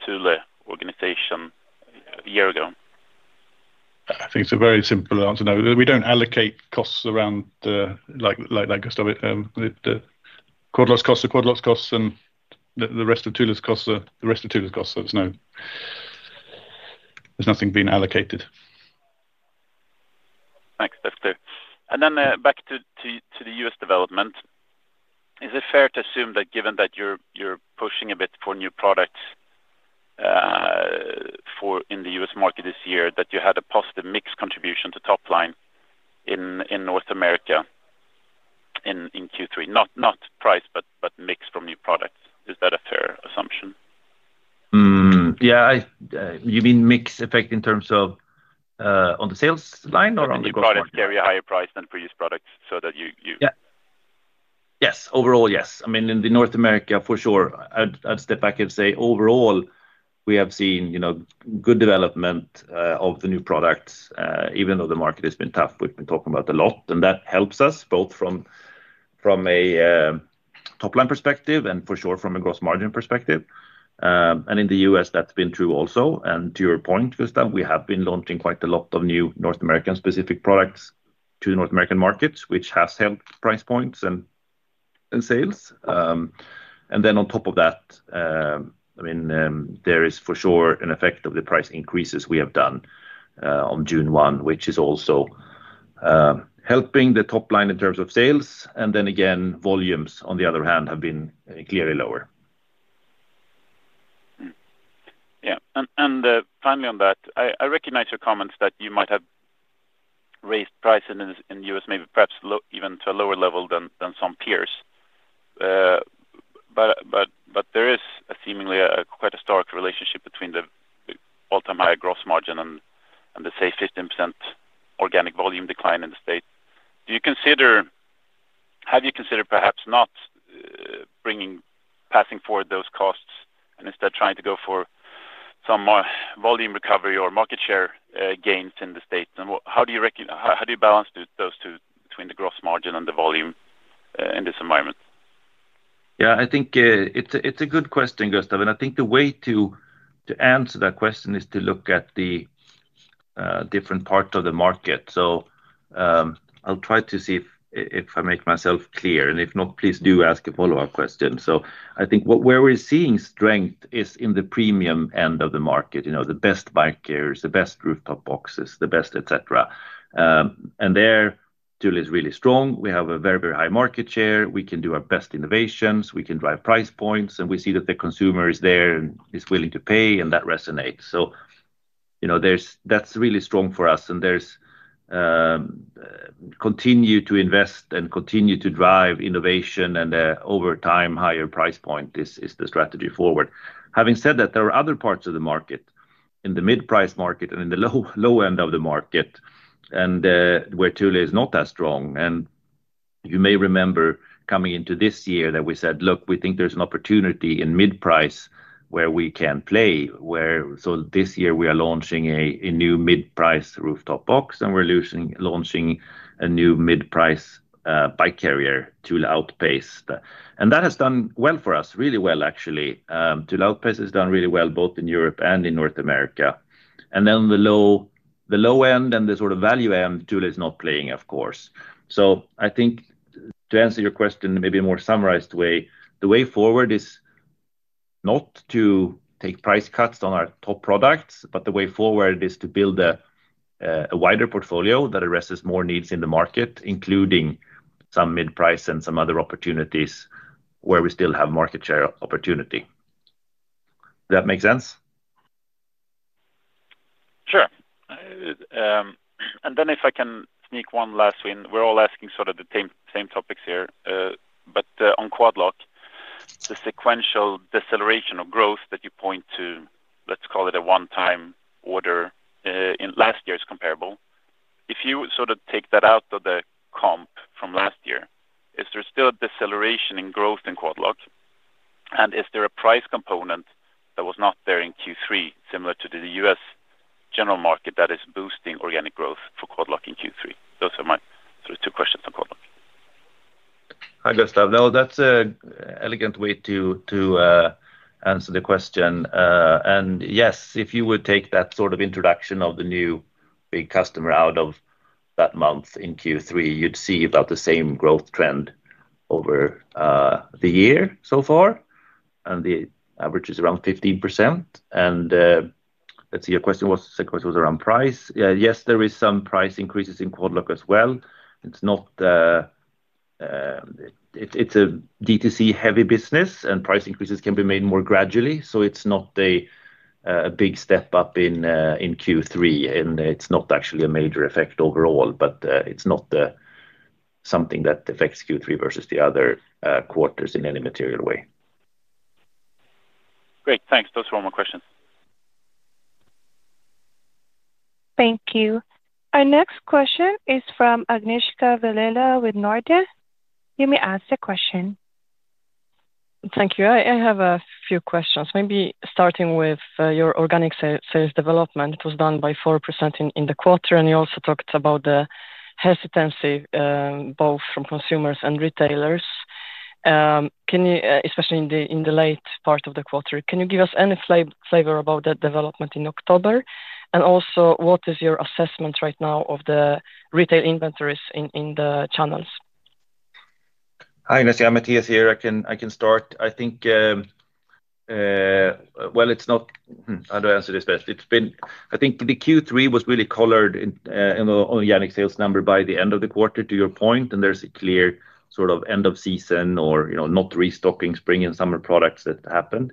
Thule organization a year ago? I think it's a very simple answer. No, we don't allocate costs around, like Gustav, the Quad Lock's costs are Quad Lock's costs, and the rest of Thule's costs are the rest of Thule's costs. There's nothing being allocated. Thanks, that's clear. Back to the U.S. development, is it fair to assume that given that you're pushing a bit for new products in the U.S. market this year, you had a positive mix contribution to top line in North America in Q3? Not price, but mix from new products. Is that a fair assumption? Yeah. You mean mix effect in terms of on the sales line or on the goods? On the product carry, a higher price than previous products, so that you. Yes. Overall, yes. I mean, in North America, for sure, I'd step back and say overall, we have seen good development of the new products, even though the market has been tough. We've been talking about it a lot. That helps us both from a top line perspective and for sure from a gross margin perspective. In the U.S., that's been true also. To your point, Gustav, we have been launching quite a lot of new North American-specific products to the North American markets, which has helped price points and sales. On top of that, there is for sure an effect of the price increases we have done on June 1st, which is also helping the top line in terms of sales. Again, volumes, on the other hand, have been clearly lower. I recognize your comments that you might have raised prices in the U.S., maybe perhaps even to a lower level than some peers. There is seemingly quite a stark relationship between the all-time higher gross margin and the, say, 15% organic volume decline in the States. Do you consider, have you considered perhaps not passing forward those costs and instead trying to go for some volume recovery or market share gains in the States? How do you balance those two between the gross margin and the volume in this environment? Yeah, I think it's a good question, Gustav. I think the way to answer that question is to look at the different parts of the market. I'll try to see if I make myself clear. If not, please do ask a follow-up question. I think where we're seeing strength is in the premium end of the market, you know, the best bike carriers, the best rooftop boxes, the best, etc. There, Thule is really strong. We have a very, very high market share. We can do our best innovations. We can drive price points. We see that the consumer is there and is willing to pay, and that resonates. That's really strong for us. There's continue to invest and continue to drive innovation and over time, higher price point is the strategy forward. Having said that, there are other parts of the market in the mid-price market and in the low end of the market where Thule is not as strong. You may remember coming into this year that we said, "Look, we think there's an opportunity in mid-price where we can play." This year, we are launching a new mid-price rooftop box, and we're launching a new mid-price bike carrier, Thule Outpace. That has done well for us, really well, actually. Thule OutPace has done really well both in Europe and in North America. In the low end and the sort of value end, Thule is not playing, of course. I think to answer your question in maybe a more summarized way, the way forward is not to take price cuts on our top products, but the way forward is to build a wider portfolio that addresses more needs in the market, including some mid-price and some other opportunities where we still have market share opportunity. Does that make sense? Sure. If I can sneak one last one, we're all asking sort of the same topics here. On Quad Lock, the sequential deceleration of growth that you point to, let's call it a one-time order in last year's comparable. If you sort of take that out of the comp from last year, is there still a deceleration in growth in Quad Lock? Is there a price component that was not there in Q3, similar to the U.S. general market, that is boosting organic growth for Quad Lock in Q3? Those are my sort of two questions on Quad Lock. Hi, Gustav. No, that's an elegant way to answer the question. Yes, if you would take that sort of introduction of the new big customer out of that month in Q3, you'd see about the same growth trend over the year so far. The average is around 15%. Your question was around price. Yes, there are some price increases in Quad Lock as well. It's a DTC-heavy business, and price increases can be made more gradually. It's not a big step up in Q3, and it's not actually a major effect overall, but it's not something that affects Q3 versus the other quarters in any material way. Great. Thanks. Those were all my questions. Thank you. Our next question is from Agnieszka Vilela with Nordea Bank. You may ask a question. Thank you. I have a few questions. Maybe starting with your organic sales development, it was down by 4% in the quarter, and you also talked about the hesitancy, both from consumers and retailers, especially in the late part of the quarter. Can you give us any flavor about that development in October? What is your assessment right now of the retail inventories in the channels? Hi, Mattias. I can start. I think the Q3 was really colored in the organic sales number by the end of the quarter, to your point. There's a clear sort of end of season or not restocking spring and summer products that happened.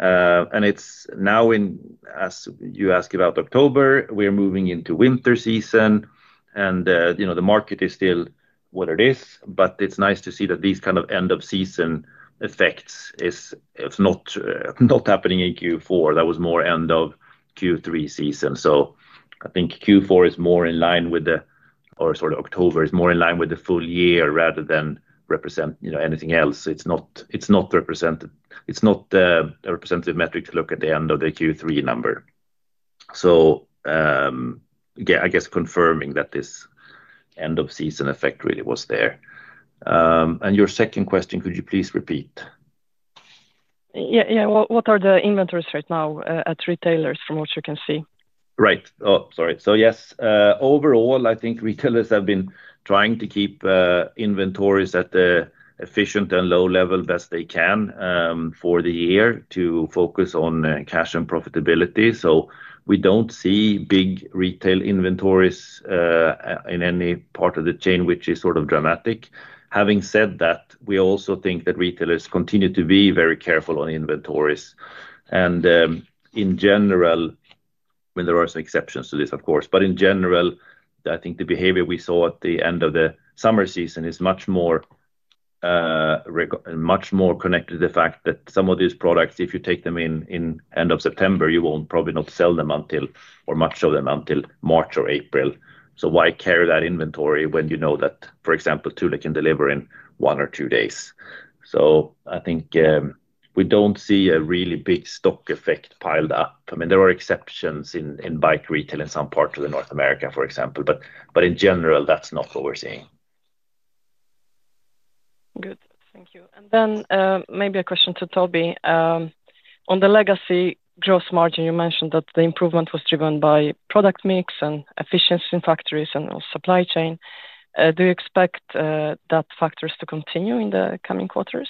It's now, as you ask about October, we're moving into winter season. The market is still what it is. It's nice to see that these kind of end-of-season effects are not happening in Q4. That was more end of Q3 season. I think Q4 is more in line with the, or sort of October is more in line with the full year rather than represent anything else. It's not a representative metric to look at the end of the Q3 number. I guess confirming that this end-of-season effect really was there. Your second question, could you please repeat? Yeah, what are the inventories right now at retailers from what you can see? Right. Yes, overall, I think retailers have been trying to keep inventories at the efficient and low level best they can for the year to focus on cash and profitability. We don't see big retail inventories in any part of the chain, which is sort of dramatic. Having said that, we also think that retailers continue to be very careful on inventories. In general, I mean, there are some exceptions to this, of course. In general, I think the behavior we saw at the end of the summer season is much more connected to the fact that some of these products, if you take them in end of September, you will probably not sell them until or much of them until March or April. Why carry that inventory when you know that, for example, Thule can deliver in one or two days? I think we don't see a really big stock effect piled up. There are exceptions in bike retail in some parts of North America, for example. In general, that's not what we're seeing. Good. Thank you. Maybe a question to Toby. On the legacy gross margin, you mentioned that the improvement was driven by product mix and efficiency in factories and supply chain. Do you expect that factor to continue in the coming quarters?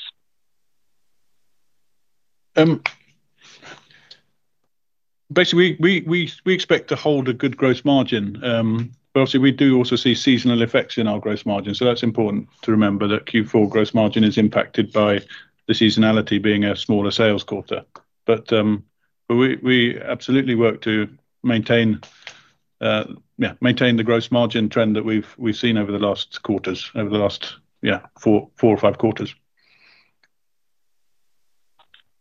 Basically, we expect to hold a good gross margin. Obviously, we do also see seasonal effects in our gross margin. That's important to remember, that Q4 gross margin is impacted by the seasonality being a smaller sales quarter. We absolutely work to maintain, yeah, the gross margin trend that we've seen over the last quarters, over the last, yeah, four or five quarters.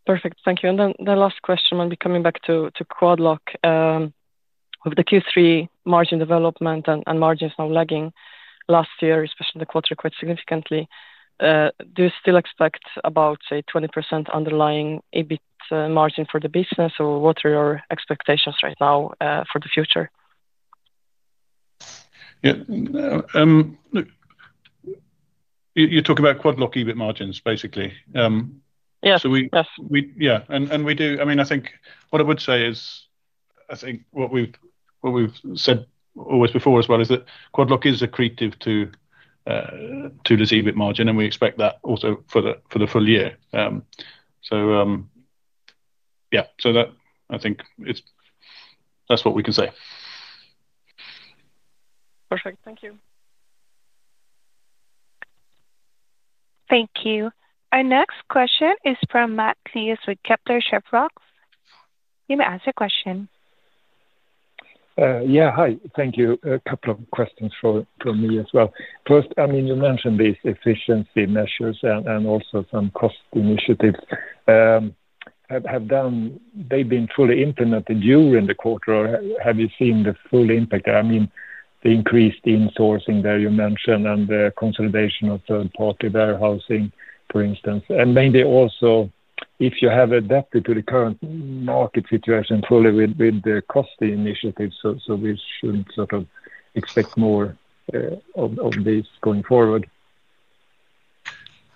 Perfect. Thank you. The last question, I'll be coming back to Quad Lock. With the Q3 margin development and margins now lagging last year, especially the quarter quite significantly, do you still expect about, say, 20% underlying EBIT margin for the business, or what are your expectations right now for the future? Yeah, you're talking about Quad Lock EBIT margins, basically. Yes. I mean, I think what I would say is, I think what we've said always before as well is that Quad Lock is accretive to Thule's EBIT margin, and we expect that also for the full year. I think that's what we can say. Perfect. Thank you. Thank you. Our next question is from Mattias with Kepler Cheuvreux. You may ask a question. Yeah. Hi. Thank you. A couple of questions from me as well. First, you mentioned these efficiency measures and also some cost initiatives. Have they been fully implemented during the quarter, or have you seen the full impact there? The increased insourcing that you mentioned and the consolidation of third-party warehousing, for instance. Maybe also, if you have adapted to the current market situation fully with the cost initiatives, we shouldn't sort of expect more of these going forward.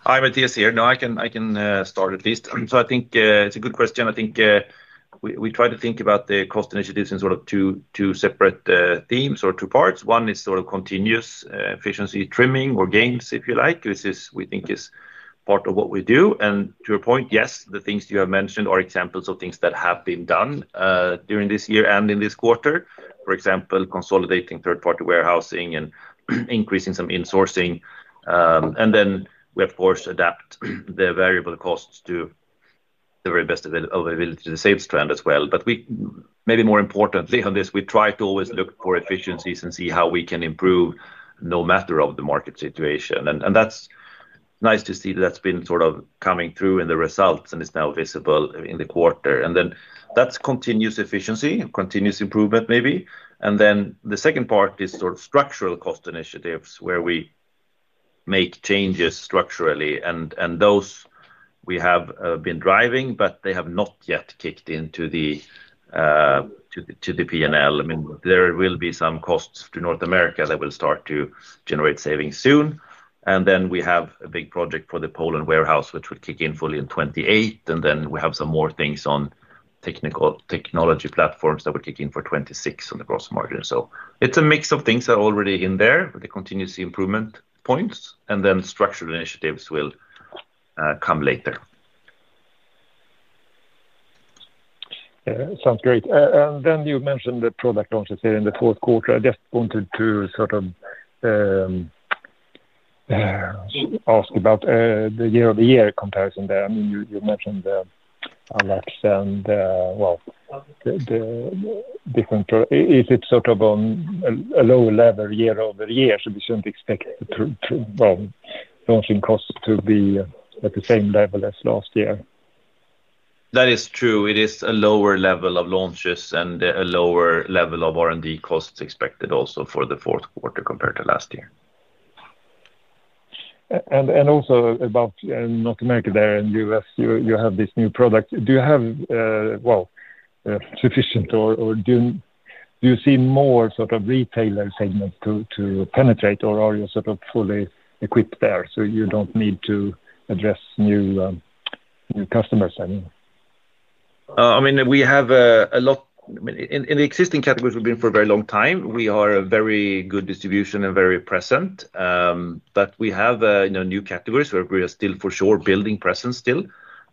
Hi, Mattias here. No, I can start at least. I think it's a good question. I think we try to think about the cost initiatives in sort of two separate themes or two parts. One is sort of continuous efficiency trimming or gains, if you like, which we think is part of what we do. To your point, yes, the things you have mentioned are examples of things that have been done during this year and in this quarter. For example, consolidating third-party warehousing and increasing some insourcing. We, of course, adapt the variable costs to the very best availability to the sales trend as well. Maybe more importantly on this, we try to always look for efficiencies and see how we can improve no matter the market situation. It's nice to see that that's been sort of coming through in the results, and it's now visible in the quarter. That's continuous efficiency, continuous improvement maybe. The second part is sort of structural cost initiatives where we make changes structurally. Those we have been driving, but they have not yet kicked into the P&L. There will be some costs to North America that will start to generate savings soon. We have a big project for the Poland warehouse, which would kick in fully in 2028. We have some more things on technology platforms that would kick in for 2026 on the gross margin. It's a mix of things that are already in there with the continuous improvement points. Structural initiatives will come later. That sounds great. You mentioned the product launches here in the fourth quarter. I just wanted to sort of ask about the year-over-year comparison there. You mentioned the Allax and the different products. Is it sort of on a lower level year-over-year? We shouldn't expect the launching costs to be at the same level as last year? That is true. It is a lower level of launches and a lower level of R&D costs expected also for the fourth quarter compared to last year. Regarding North America and the U.S., you have this new product. Do you have sufficient, or do you see more sort of retailer segments to penetrate, or are you sort of fully equipped there so you don't need to address new customers anymore? We have a lot. In the existing categories, we've been for a very long time. We are a very good distribution and very present. We have new categories where we are still for sure building presence still,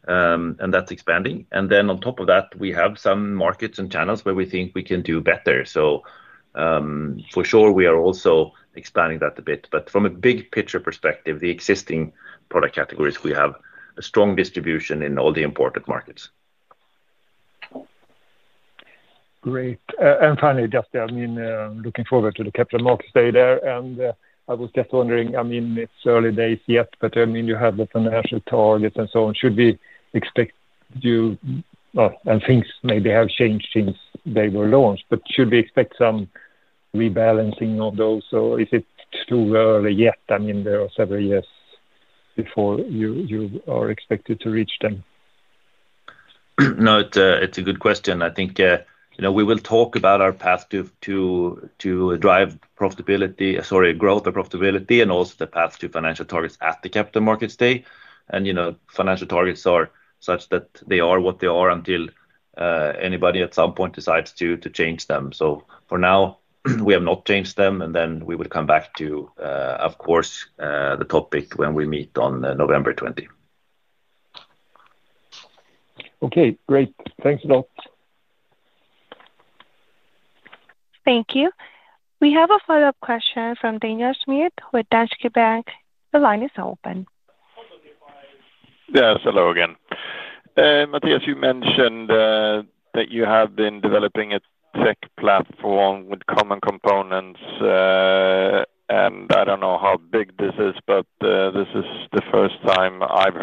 and that's expanding. On top of that, we have some markets and channels where we think we can do better. For sure, we are also expanding that a bit. From a big-picture perspective, the existing product categories, we have a strong distribution in all the important markets. Great. Finally, just looking forward to the Capital Markets Day there. I was just wondering, it's early days yet, but you have the financial targets and so on. Should we expect you, and things maybe have changed since they were launched, should we expect some rebalancing on those, or is it too early yet? There are several years before you are expected to reach them. No, it's a good question. I think, you know, we will talk about our path to drive profitability, growth of profitability, and also the path to financial targets at the Capital Markets Day. Financial targets are such that they are what they are until anybody at some point decides to change them. For now, we have not changed them. We will come back to the topic when we meet on November 20th. Okay. Great, thanks a lot. Thank you. We have a follow-up question from Daniel Schmidt with Danske Bank. The line is open. Yes. Hello again. Mattias, you mentioned that you have been developing a tech platform with common components. I don't know how big this is, but this is the first time I've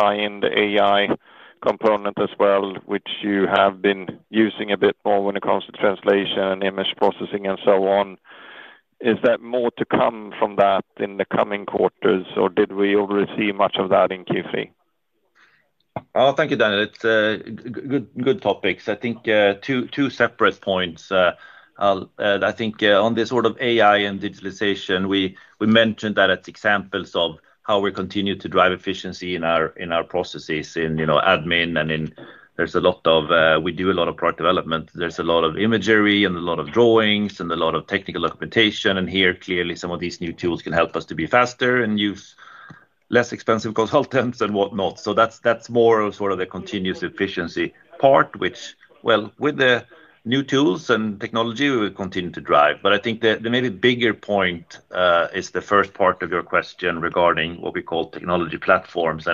heard it at least. Is that supposed to generate any sort of savings in terms of more efficient work processing? If you tie in the AI component as well, which you have been using a bit more when it comes to translation and image processing and so on, is there more to come from that in the coming quarters, or did we already see much of that in Q3? Oh, thank you, Daniel. Good topics. I think two separate points. I think on this sort of AI and digitalization, we mentioned that it's examples of how we continue to drive efficiency in our processes in admin. There's a lot of, we do a lot of product development. There's a lot of imagery and a lot of drawings and a lot of technical documentation. Here, clearly, some of these new tools can help us to be faster and use less expensive consultants and whatnot. That's more of sort of the continuous efficiency part, which, with the new tools and technology, we will continue to drive. I think the maybe bigger point is the first part of your question regarding what we call technology platforms.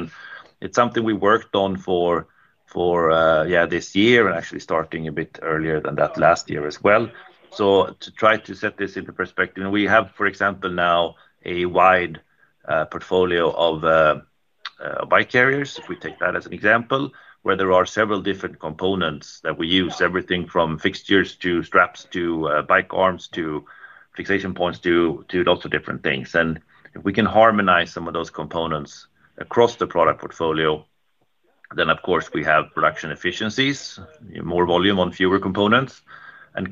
It's something we worked on for, yeah, this year and actually starting a bit earlier than that last year as well. To try to set this into perspective, we have, for example, now a wide portfolio of bike carriers, if we take that as an example, where there are several different components that we use, everything from fixtures to straps to bike arms to fixation points to lots of different things. If we can harmonize some of those components across the product portfolio, then, of course, we have production efficiencies, more volume on fewer components.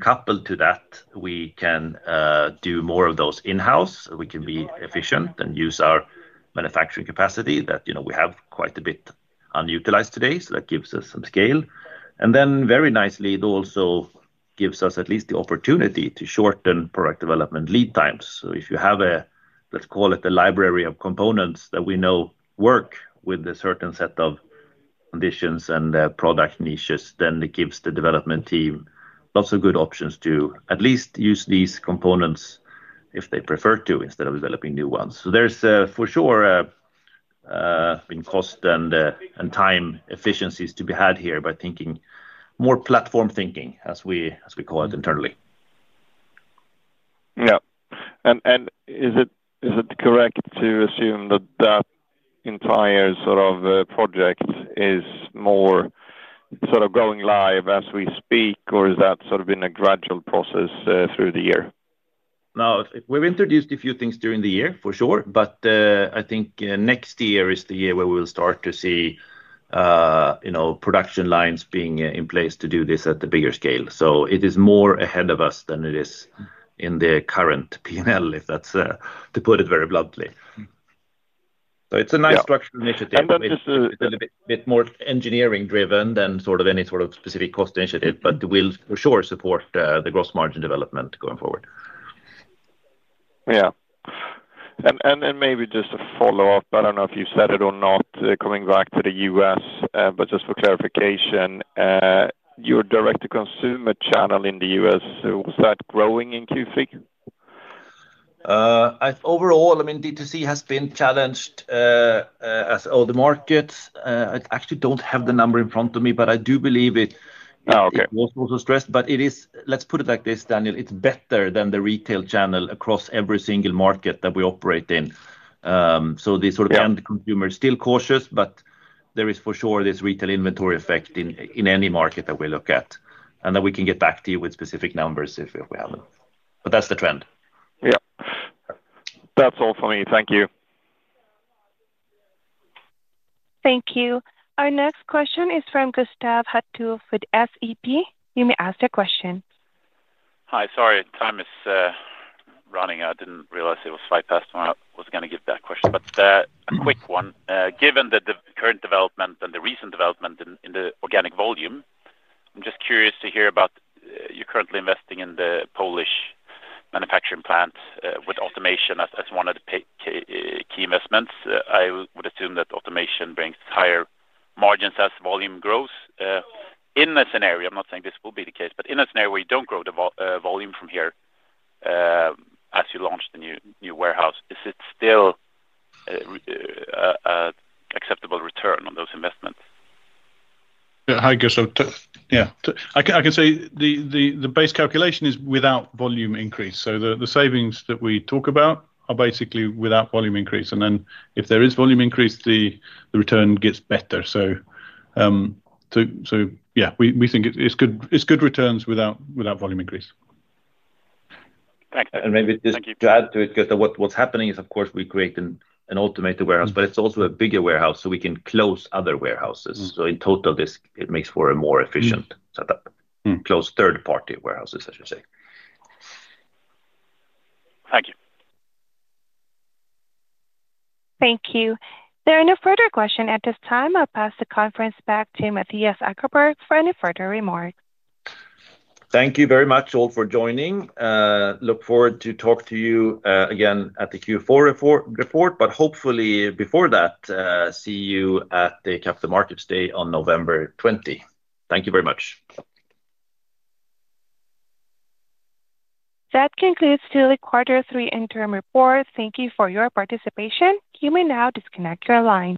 Coupled to that, we can do more of those in-house. We can be efficient and use our manufacturing capacity that we have quite a bit unutilized today. That gives us some scale. Very nicely, it also gives us at least the opportunity to shorten product development lead times. If you have a, let's call it a library of components that we know work with a certain set of conditions and product niches, then it gives the development team lots of good options to at least use these components if they prefer to instead of developing new ones. There's for sure been cost and time efficiencies to be had here by thinking more platform thinking, as we call it internally. Is it correct to assume that that entire sort of project is more sort of going live as we speak, or is that sort of in a gradual process through the year? No, we've introduced a few things during the year, for sure. I think next year is the year where we will start to see production lines being in place to do this at the bigger scale. It is more ahead of us than it is in the current P&L, if that's to put it very bluntly. It's a nice structured initiative. Yeah. It is a little bit more engineering-driven than any sort of specific cost initiative. Mm-hmm. We will for sure support the gross margin development going forward. Maybe just a follow-up. I don't know if you've said it or not, coming back to the U.S., but just for clarification, your direct-to-consumer channel in the U.S., was that growing in Q3? Overall, I mean, DTC has been challenged, as all the markets. I actually don't have the number in front of me, but I do believe it. okay. It was also stressed. Let's put it like this, Daniel. It's better than the retail channel across every single market that we operate in, so the sort of end. Yeah. Consumer is still cautious, but there is for sure this retail inventory effect in any market that we look at. We can get back to you with specific numbers if we have them. That's the trend. Yeah, that's all for me. Thank you. Thank you. Our next question is from Gustav Hageus for the SEB Group. You may ask your question. Hi. Sorry. Time is running. I didn't realize it was right past when I was going to give that question. A quick one. Given the current development and the recent development in the organic volume, I'm just curious to hear about your currently investing in the Polish manufacturing plant, with automation as one of the key investments. I would assume that automation brings higher margins as volume grows. In a scenario, I'm not saying this will be the case, but in a scenario where you don't grow the volume from here, as you launch the new warehouse, is it still an acceptable return on those investments? Hi, Gustav. I can say the base calculation is without volume increase. The savings that we talk about are basically without volume increase. If there is volume increase, the return gets better. We think it's good returns without volume increase. Thanks. Maybe just. Thank you. To add to it, Gustav, what's happening is, of course, we create an automated warehouse, but it's also a bigger warehouse, so we can close other warehouses. Mm-hmm. In total, this makes for a more efficient setup. Mm-hmm. Close third-party warehouses, I should say. Thank you. Thank you. There are no further questions at this time. I'll pass the conference back to Mattias Ankarberg for any further remarks. Thank you very much all for joining. I look forward to talk to you again at the Q4 report, but hopefully, before that, see you at the Capital Markets Day on November 20. Thank you very much. That concludes Thule Group quarter three interim report. Thank you for your participation. You may now disconnect your line.